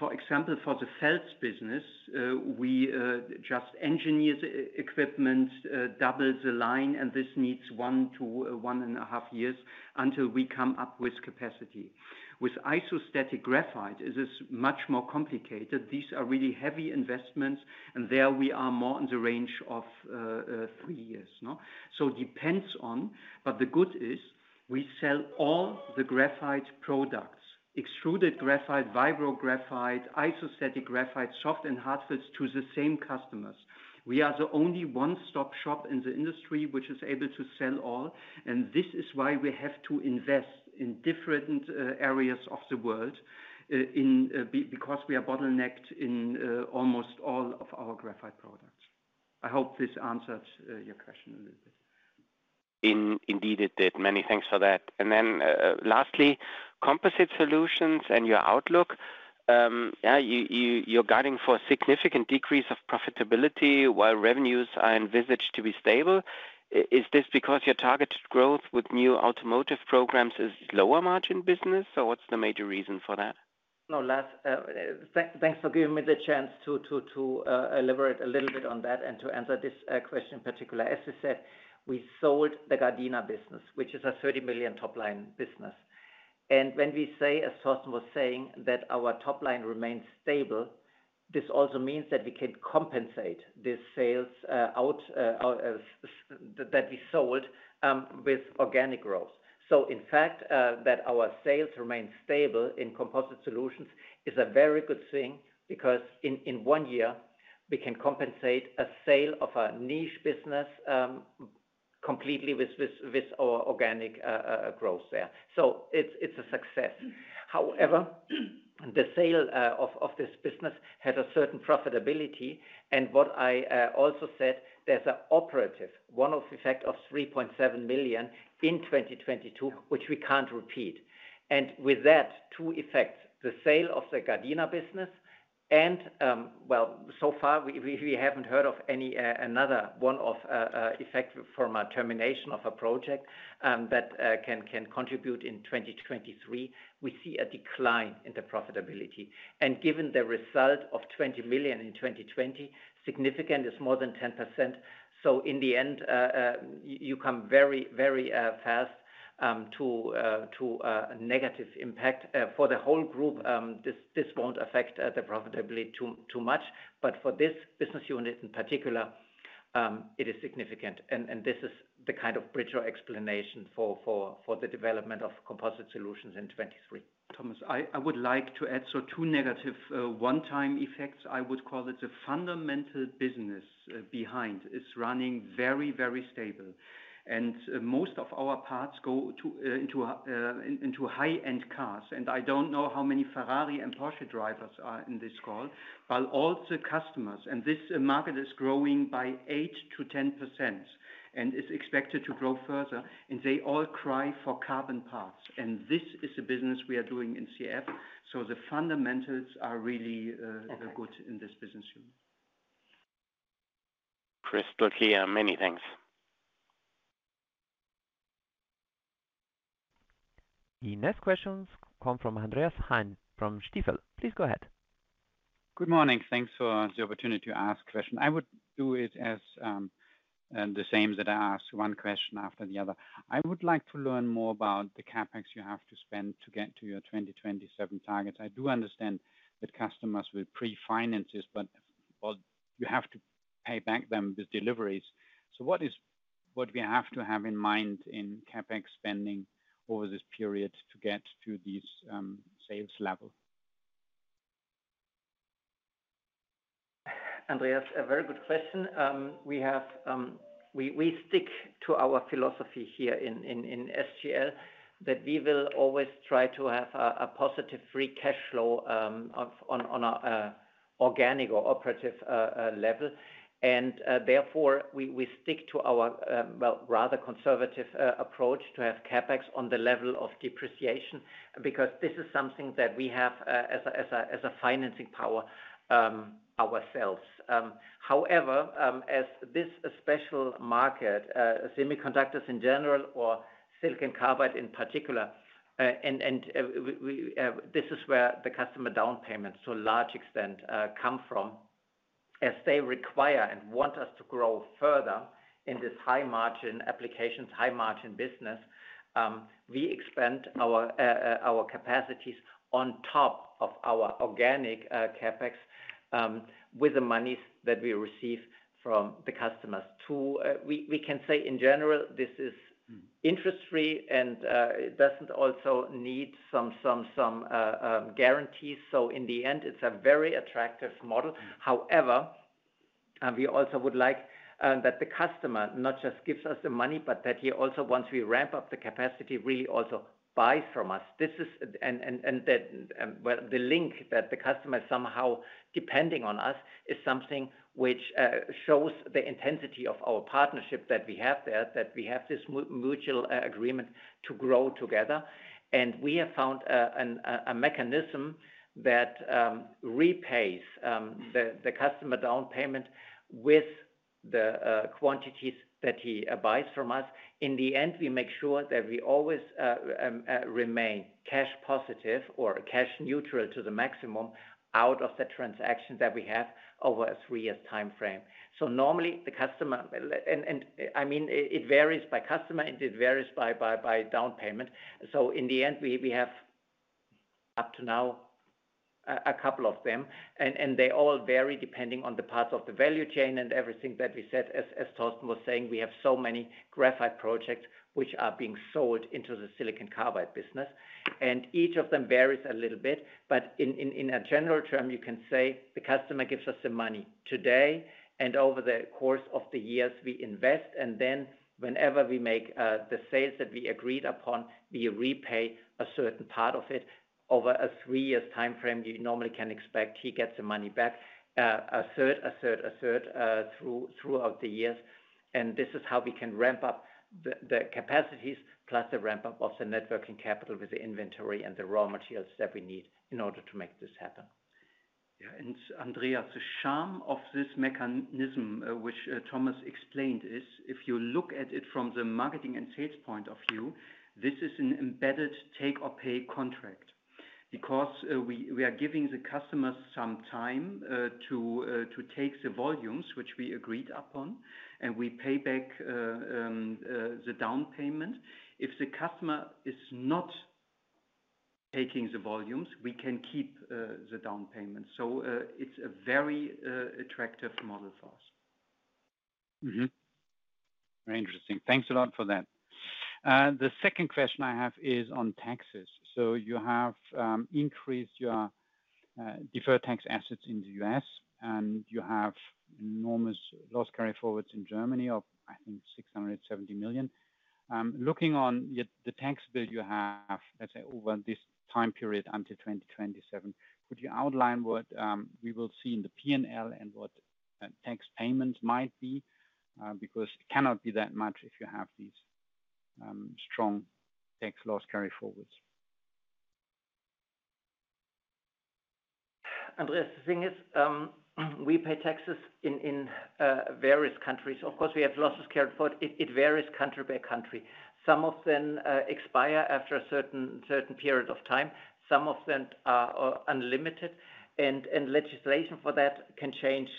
For example, for the felts business, we just engineer the equipment, double the line, and this needs one to 1.5 years until we come up with capacity. With isostatic graphite, it is much more complicated. These are really heavy investments, and there we are more in the range of three years, no? Depends on... The good is we sell all the graphite products, extruded graphite, vibration graphite, isostatic graphite, soft and rigid felts to the same customers. We are the only one-stop shop in the industry which is able to sell all, and this is why we have to invest in different, areas of the world, because we are bottlenecked in, almost all of our graphite products. I hope this answers your question a little bit. Indeed, it did. Many thanks for that. Lastly, Composite Solutions and your outlook. Yeah, you're guiding for a significant decrease of profitability while revenues are envisaged to be stable. Is this because your targeted growth with new automotive programs is lower margin business, or what's the major reason for that? No, Lars, thanks for giving me the chance to elaborate a little bit on that and to answer this question in particular. As I said, we sold the Gardena business, which is a 30 million top-line business. When we say, as Torsten was saying, that our top line remains stable, this also means that we can compensate the sales that we sold with organic growth. In fact, that our sales remain stable in Composite Solutions is a very good thing because in one year, we can compensate a sale of a niche business completely with our organic growth there. It's a success. However, the sale of this business had a certain profitability. What I also said, there's an operative one-off effect of 3.7 million in 2022, which we can't repeat. With that two effects, the sale of the Gardena business and, well, so far we haven't heard of any another one of effect from a termination of a project that can contribute in 2023. We see a decline in the profitability. Given the result of 20 million in 2020, significant is more than 10%. In the end, you come very fast to negative impact. For the whole group, this won't affect the profitability too much. For this business unit in particular, it is significant. This is the kind of bridge or explanation for the development of Composite Solutions in 2023. Thomas, I would like to add so two negative one-time effects. I would call it the fundamental business behind is running very, very stable. Most of our parts go into high-end cars. I don't know how many Ferrari and Porsche drivers are in this call, but all the customers, this market is growing by 8%-10%, it's expected to grow further, they all cry for carbon parts. This is the business we are doing in CF. The fundamentals are really good in this business unit. Clear. Many thanks. The next questions come from Andreas Heine from Stifel. Please go ahead. Good morning. Thanks for the opportunity to ask question. I would do it as the same that I asked one question after the other. I would like to learn more about the CapEx you have to spend to get to your 2027 targets. I do understand that customers will pre-finance this, but you have to pay back them with deliveries. What we have to have in mind in CapEx spending over this period to get to these sales level? Andreas, a very good question. We stick to our philosophy here in SGL, that we will always try to have a positive free cash flow of on a organic or operative level. Therefore, we stick to our well, rather conservative approach to have CapEx on the level of depreciation, because this is something that we have as a financing power ourselves. However, as this special market, semiconductors in general or silicon carbide in particular, and we, this is where the customer down payments to a large extent come from. As they require and want us to grow further in this high margin applications, high margin business, we expand our capacities on top of our organic CapEx, with the monies that we receive from the customers to. We can say in general, this is interest free and it doesn't also need some guarantees. In the end, it's a very attractive model. However, we also would like that the customer not just gives us the money, but that he also, once we ramp up the capacity, really also buys from us. This is. That, well, the link that the customer is somehow depending on us is something which shows the intensity of our partnership that we have there, that we have this mutual agreement to grow together. We have found a mechanism that repays the customer down payment with the quantities that he buys from us. In the end, we make sure that we always remain cash positive or cash neutral to the maximum out of the transaction that we have over a three-year timeframe. Normally, the customer... I mean, it varies by customer, and it varies by down payment. In the end, we have up to now a couple of them, and they all vary depending on the parts of the value chain and everything that we said. As Torsten was saying, we have so many graphite projects which are being sold into the silicon carbide business, and each of them varies a little bit. In a general term, you can say the customer gives us the money today, and over the course of the years we invest, and then whenever we make the sales that we agreed upon, we repay a certain part of it. Over a three-years timeframe, you normally can expect he gets the money back, 1/3, 1/3, 1/3, throughout the years. This is how we can ramp up the capacities plus the ramp-up of the net working capital with the inventory and the raw materials that we need in order to make this happen. Andreas, the charm of this mechanism, which Thomas explained is, if you look at it from the marketing and sales point of view, this is an embedded take or pay contract. We are giving the customers some time to take the volumes which we agreed upon, and we pay back the down payment. If the customer is not taking the volumes, we can keep the down payment. It's a very attractive model for us. Very interesting. Thanks a lot for that. The second question I have is on taxes. You have increased your deferred tax assets in the U.S., and you have enormous loss carryforwards in Germany of, I think 670 million. Looking on the tax bill you have, let's say, over this time period until 2027, could you outline what we will see in the P&L and what tax payments might be? Because it cannot be that much if you have these strong tax loss carryforwards. Andreas, the thing is, we pay taxes in various countries. Of course, we have losses carried forward. It varies country by country. Some of them expire after a certain period of time. Some of them are unlimited, and legislation for that can change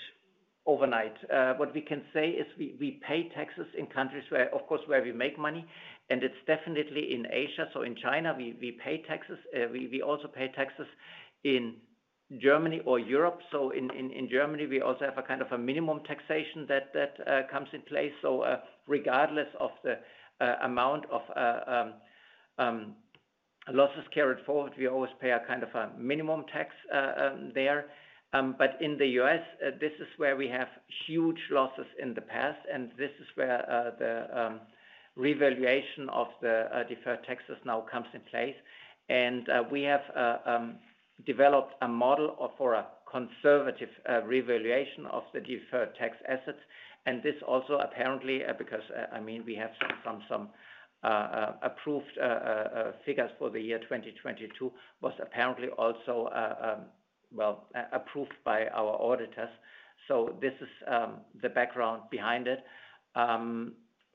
overnight. What we can say is we pay taxes in countries where, of course, where we make money, and it's definitely in Asia. In China, we pay taxes. We also pay taxes in Germany or Europe. In Germany, we also have a kind of a minimum taxation that comes in place. Regardless of the amount of losses carried forward, we always pay a kind of a minimum tax there. In the U.S., this is where we have huge losses in the past, and this is where the revaluation of the deferred tax assets now comes in place. We have developed a model for a conservative revaluation of the deferred tax assets. This also apparently, because I mean, we have some, some approved figures for the year 2022, was apparently also well approved by our auditors. This is the background behind it.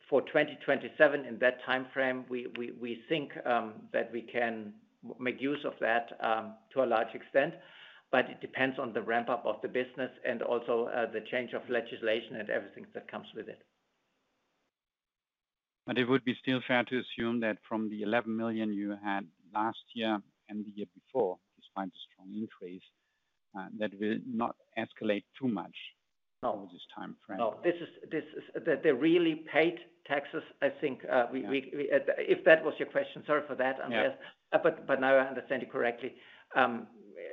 For 2027, in that timeframe, we think that we can make use of that to a large extent, but it depends on the ramp-up of the business and also the change of legislation and everything that comes with it. It would be still fair to assume that from the 11 million you had last year and the year before, despite the strong increase, that will not escalate too much over this timeframe. No. This is the really paid taxes, I think.. We, if that was your question, sorry for that, Andreas. Now I understand you correctly.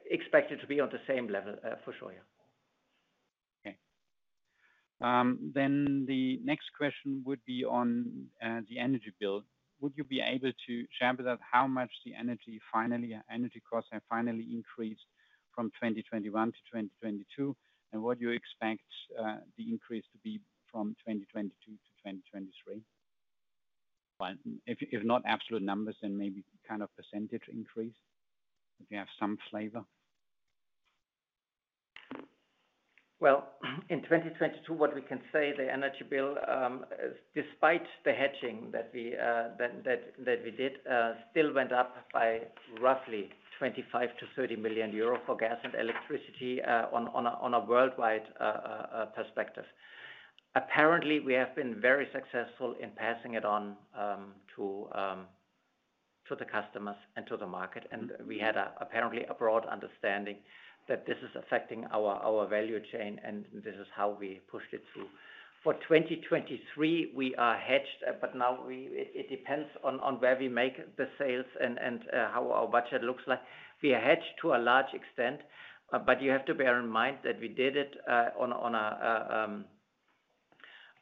Expect it to be on the same level for sure, yeah. Okay. The next question would be on the energy bill. Would you be able to share with us how much the energy costs have finally increased from 2021 to 2022, and what you expect the increase to be from 2022 to 2023? If not absolute numbers, then maybe kind of percentage increase, if you have some flavor. Well, in 2022, what we can say, the energy bill, despite the hedging that we did, still went up by roughly 25 million-30 million euro for gas and electricity, on a worldwide perspective. Apparently, we have been very successful in passing it on to the customers and to the market. We had apparently a broad understanding that this is affecting our value chain, and this is how we pushed it through. For 2023, we are hedged, it depends on where we make the sales and how our budget looks like. We are hedged to a large extent, you have to bear in mind that we did it on a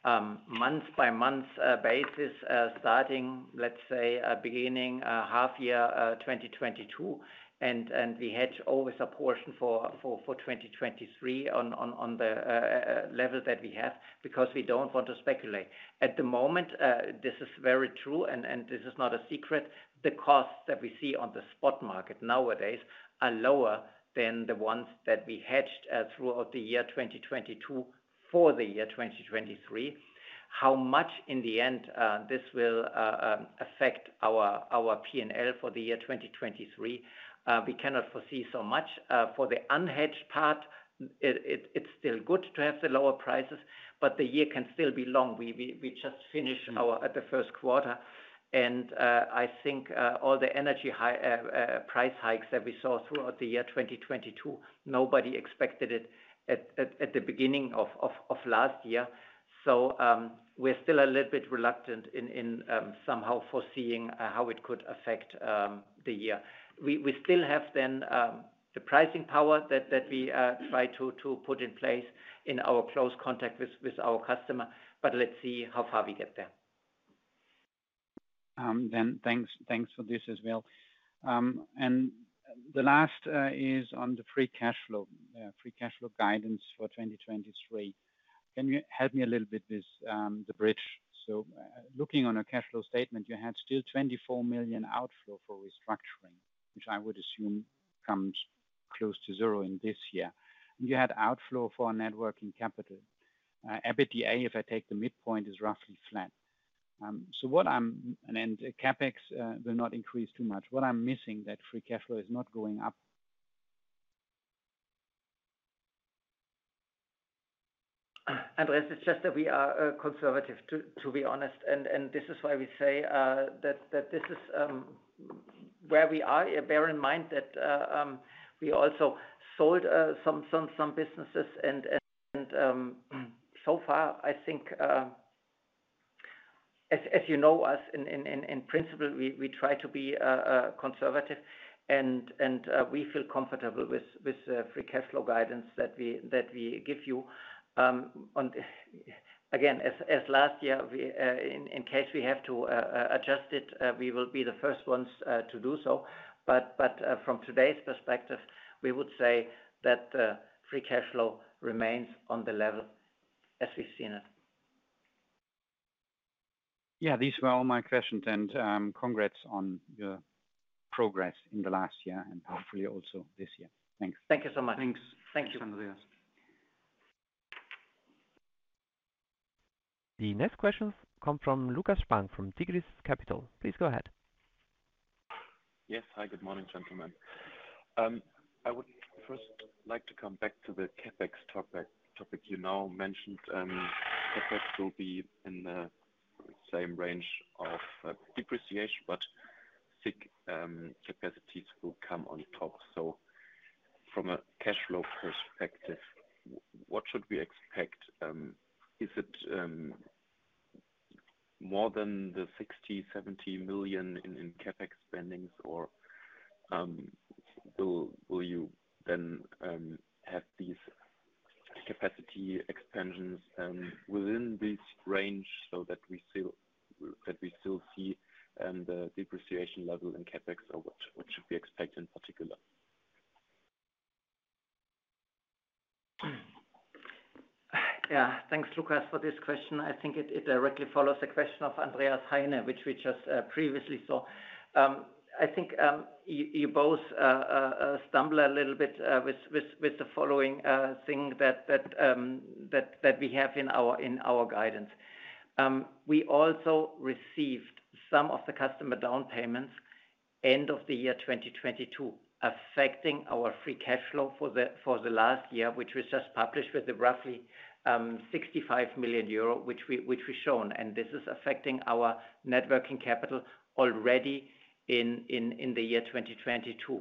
month-by-month basis, starting, let's say, beginning half year 2022. We hedge always a portion for 2023 on the level that we have because we don't want to speculate. At the moment, this is very true, and this is not a secret. The costs that we see on the spot market nowadays are lower than the ones that we hedged throughout the year 2022 for the year 2023. How much in the end, this will affect our P&L for the year 2023, we cannot foresee so much. For the unhedged part, it's still good to have the lower prices. The year can still be long. We just finished the first quarter. I think all the energy price hikes that we saw throughout the year 2022, nobody expected it at the beginning of last year. We're still a little bit reluctant in somehow foreseeing how it could affect the year. We still have then the pricing power that we try to put in place in our close contact with our customer, let's see how far we get there. Thanks for this as well. The last is on the free cash flow, free cash flow guidance for 2023. Can you help me a little bit with the bridge? Looking on a cash flow statement, you had still 24 million outflow for restructuring, which I would assume comes close to zero in this year. You had outflow for net working capital. EBITDA, if I take the midpoint, is roughly flat. And CapEx will not increase too much. What I'm missing that free cash flow is not going up. Andreas, it's just that we are conservative, to be honest. This is why we say that this is where we are. Bear in mind that we also sold some businesses. So far, I think, as you know us in principle, we try to be conservative and we feel comfortable with free cash flow guidance that we give you. Again, as last year, we in case we have to adjust it, we will be the first ones to do so. From today's perspective, we would say that free cash flow remains on the level as we've seen it. Yeah. These were all my questions. Congrats on your progress in the last year and hopefully also this year. Thanks. Thank you so much. The next questions come from Lukas Spang, from Tigris Capital. Please go ahead. Yes. Hi, good morning, gentlemen. I would first like to come back to the CapEx topic. You now mentioned CapEx will be in the same range of depreciation, but SiC capacities will come on top. From a cash flow perspective, what should we expect? Is it more than the 60 million-70 million in CapEx spendings or will you then have these capacity expansions within this range so that we still see the depreciation level in CapEx? What should we expect in particular? Thanks, Lukas, for this question. I think it directly follows the question of Andreas Heine, which we just previously saw. I think you both stumble a little bit with the following thing that we have in our guidance. We also received some of the customer down payments end of the year 2022, affecting our free cash flow for the last year, which was just published with the roughly 65 million euro which we've shown. This is affecting our net working capital already in the year 2022.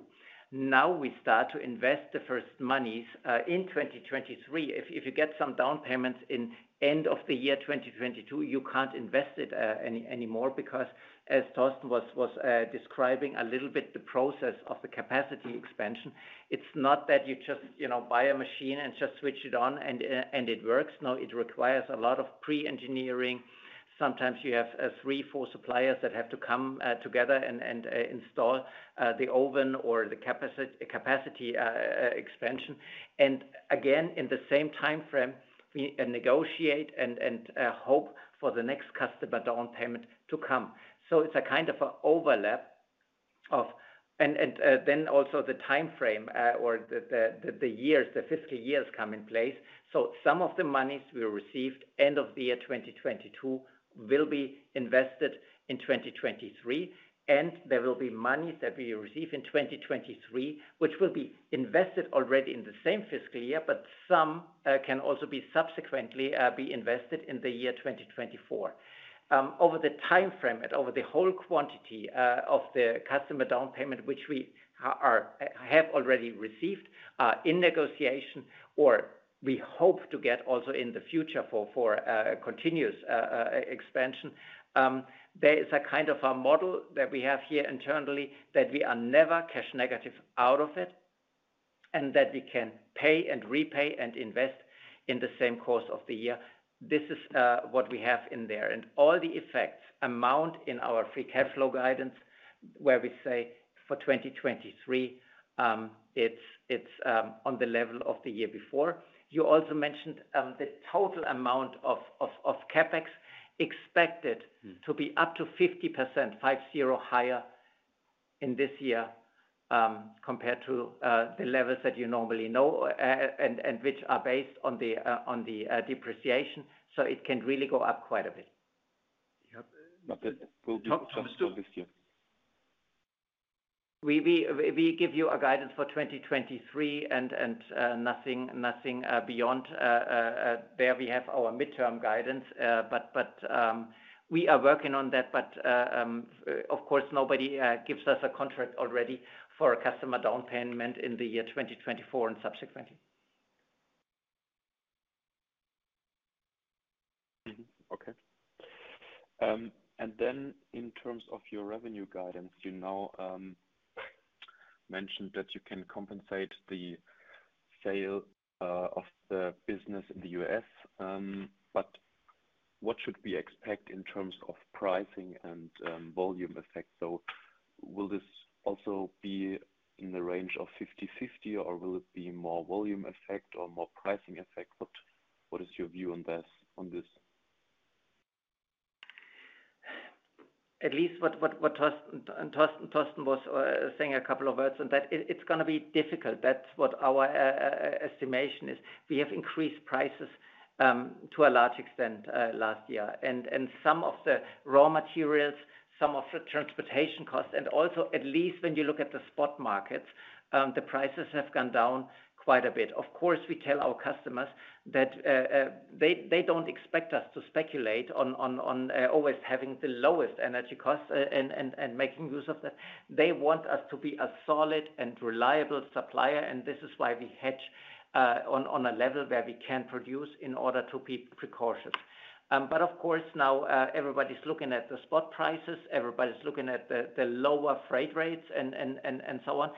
Now we start to invest the first monies in 2023. If you get some down payments in end of the year, 2022, you can't invest it anymore because as Torsten was describing a little bit the process of the capacity expansion, it's not that you just, you know, buy a machine and just switch it on and it works. No, it requires a lot of pre-engineering. Sometimes you have three to four suppliers that have to come together and install the oven or the capacity expansion. Again, in the same timeframe, we negotiate and hope for the next customer down payment to come. It's a kind of a overlap of. Also the timeframe or the years, the fiscal years come in place. Some of the monies we received end of the year 2022 will be invested in 2023, and there will be monies that we receive in 2023, which will be invested already in the same fiscal year, but some can also be subsequently be invested in the year 2024. Over the timeframe and over the whole quantity of the customer down payment, which we have already received in negotiation or we hope to get also in the future for continuous expansion. There is a kind of a model that we have here internally that we are never cash negative out of it, and that we can pay and repay and invest in the same course of the year. This is what we have in there. All the effects amount in our free cash flow guidance, where we say for 2023, it's on the level of the year before. You also mentioned the total amount of CapEx expected to be up to 50% higher in this year, compared to the levels that you normally know, and which are based on the depreciation. It can really go up quite a bit. Yeah. It will be just for this year. We give you a guidance for 2023 and nothing beyond. There we have our midterm guidance. We are working on that, but of course, nobody gives us a contract already for a customer down payment in the year 2024 and subsequently. Okay. In terms of your revenue guidance, you now mentioned that you can compensate the sale of the business in the U.S. What should we expect in terms of pricing and volume effect? Will this also be in the range of 50/50, or will it be more volume effect or more pricing effect? What, what is your view on this? At least what Torsten was saying a couple of words on that, it's gonna be difficult. That's what our estimation is. We have increased prices to a large extent last year. Some of the raw materials, some of the transportation costs, and also, at least when you look at the spot markets, the prices have gone down quite a bit. Of course, we tell our customers that they don't expect us to speculate on always having the lowest energy costs and making use of that. They want us to be a solid and reliable supplier, this is why we hedge on a level where we can produce in order to be precautious. But of course, now, everybody's looking at the spot prices, everybody's looking at the lower freight rates and so on.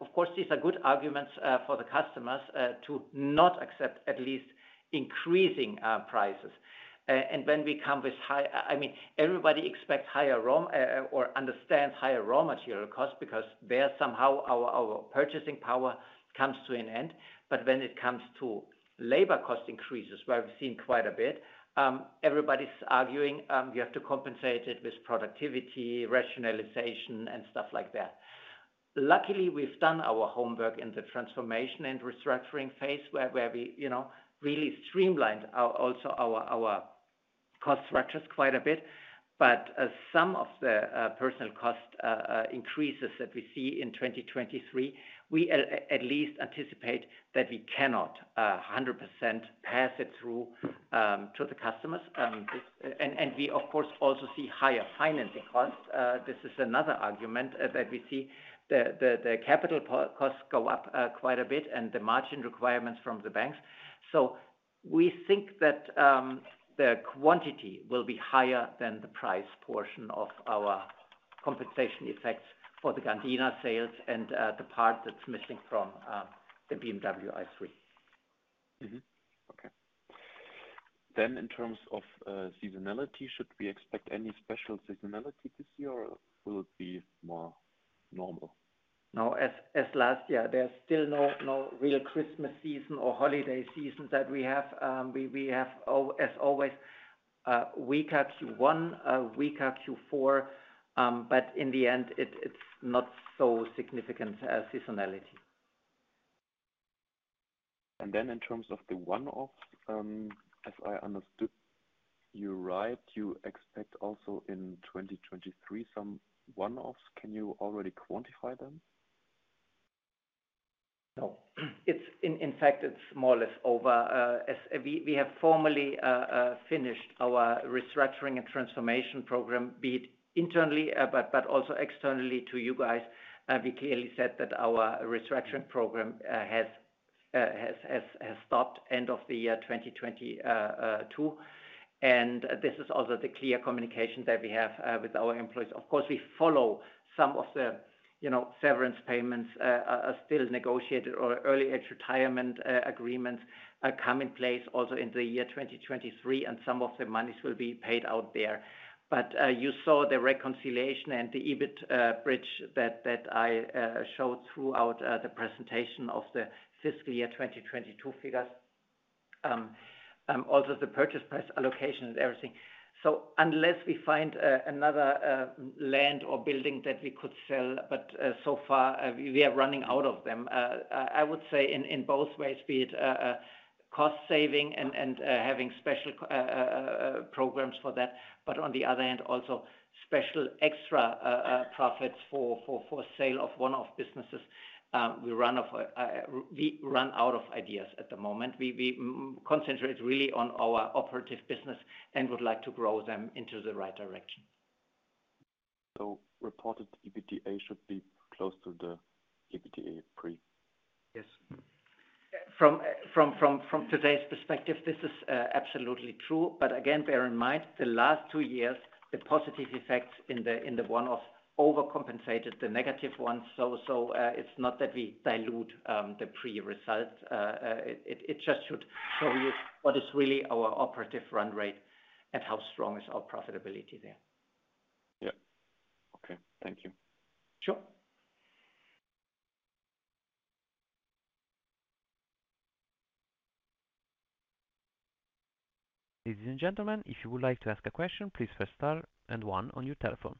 Of course, these are good arguments for the customers to not accept at least increasing prices. When we come with I mean, everybody expects higher raw or understands higher raw material costs because there somehow our purchasing power comes to an end. When it comes to labor cost increases, where we've seen quite a bit, everybody's arguing, you have to compensate it with productivity, rationalization, and stuff like that. Luckily, we've done our homework in the transformation and restructuring phase where we, you know, really streamlined our, also our cost structures quite a bit. Some of the personal cost increases that we see in 2023, we at least anticipate that we cannot 100% pass it through to the customers. This and we, of course, also see higher financing costs. This is another argument that we see. The capital costs go up quite a bit and the margin requirements from the banks. We think that the quantity will be higher than the price portion of our compensation effects for the Gardena sales and the part that's missing from the BMW i3. Mm-hmm. Okay. In terms of seasonality, should we expect any special seasonality this year, or will it be more normal? No. As last year, there's still no real Christmas season or holiday season that we have. We have as always, weaker Q1, a weaker Q4, but in the end, it's not so significant seasonality. In terms of the one-offs, as I understood you right, you expect also in 2023 some one-offs. Can you already quantify them? No. In fact, it's more or less over. As we have formally finished our restructuring and transformation program, be it internally, but also externally to you guys. We clearly said that our restructuring program has stopped end of the year 2022. This is also the clear communication that we have with our employees. Of course, we follow some of the, you know, severance payments are still negotiated or early retirement agreements come in place also in the year 2023, and some of the monies will be paid out there. You saw the reconciliation and the EBIT bridge that I showed throughout the presentation of the fiscal year 2022 figures. Also the purchase price allocation and everything. Unless we find another land or building that we could sell, so far, we are running out of them. I would say in both ways, be it cost saving and having special programs for that. On the other hand, also special extra profits for sale of one-off businesses. We run out of ideas at the moment. We concentrate really on our operative business and would like to grow them into the right direction. Reported EBITDA should be close to the EBITDApre? Yes. From today's perspective, this is absolutely true. Again, bear in mind, the last two years, the positive effects in the, in the one-off overcompensated the negative ones. It's not that we dilute the pre-result. It just should show you what is really our operative run rate and how strong is our profitability there. Yeah. Okay. Thank you. Sure. Ladies and gentlemen, if you would like to ask a question, please press star and one on your telephone.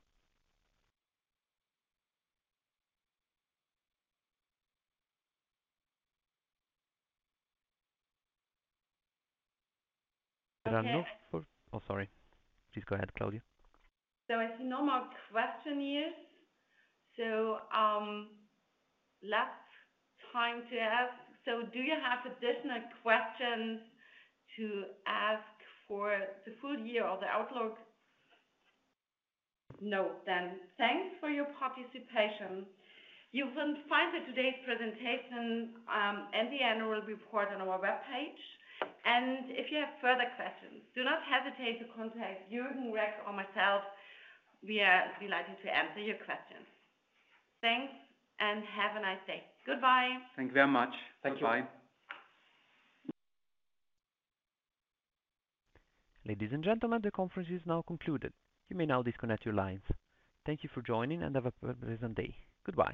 Okay. Oh, sorry. Please go ahead, Claudia. I see no more question here. Last time to ask, do you have additional questions to ask for the full year or the outlook? No, thanks for your participation. You can find the today's presentation and the annual report on our webpage. If you have further questions, do not hesitate to contact Jürgen Reck or myself. We are delighted to answer your questions. Thanks, have a nice day. Goodbye. Thank you very much. Bye-bye. Thank you. Ladies and gentlemen, the conference is now concluded. You may now disconnect your lines. Thank you for joining, and have a pleasant day. Goodbye.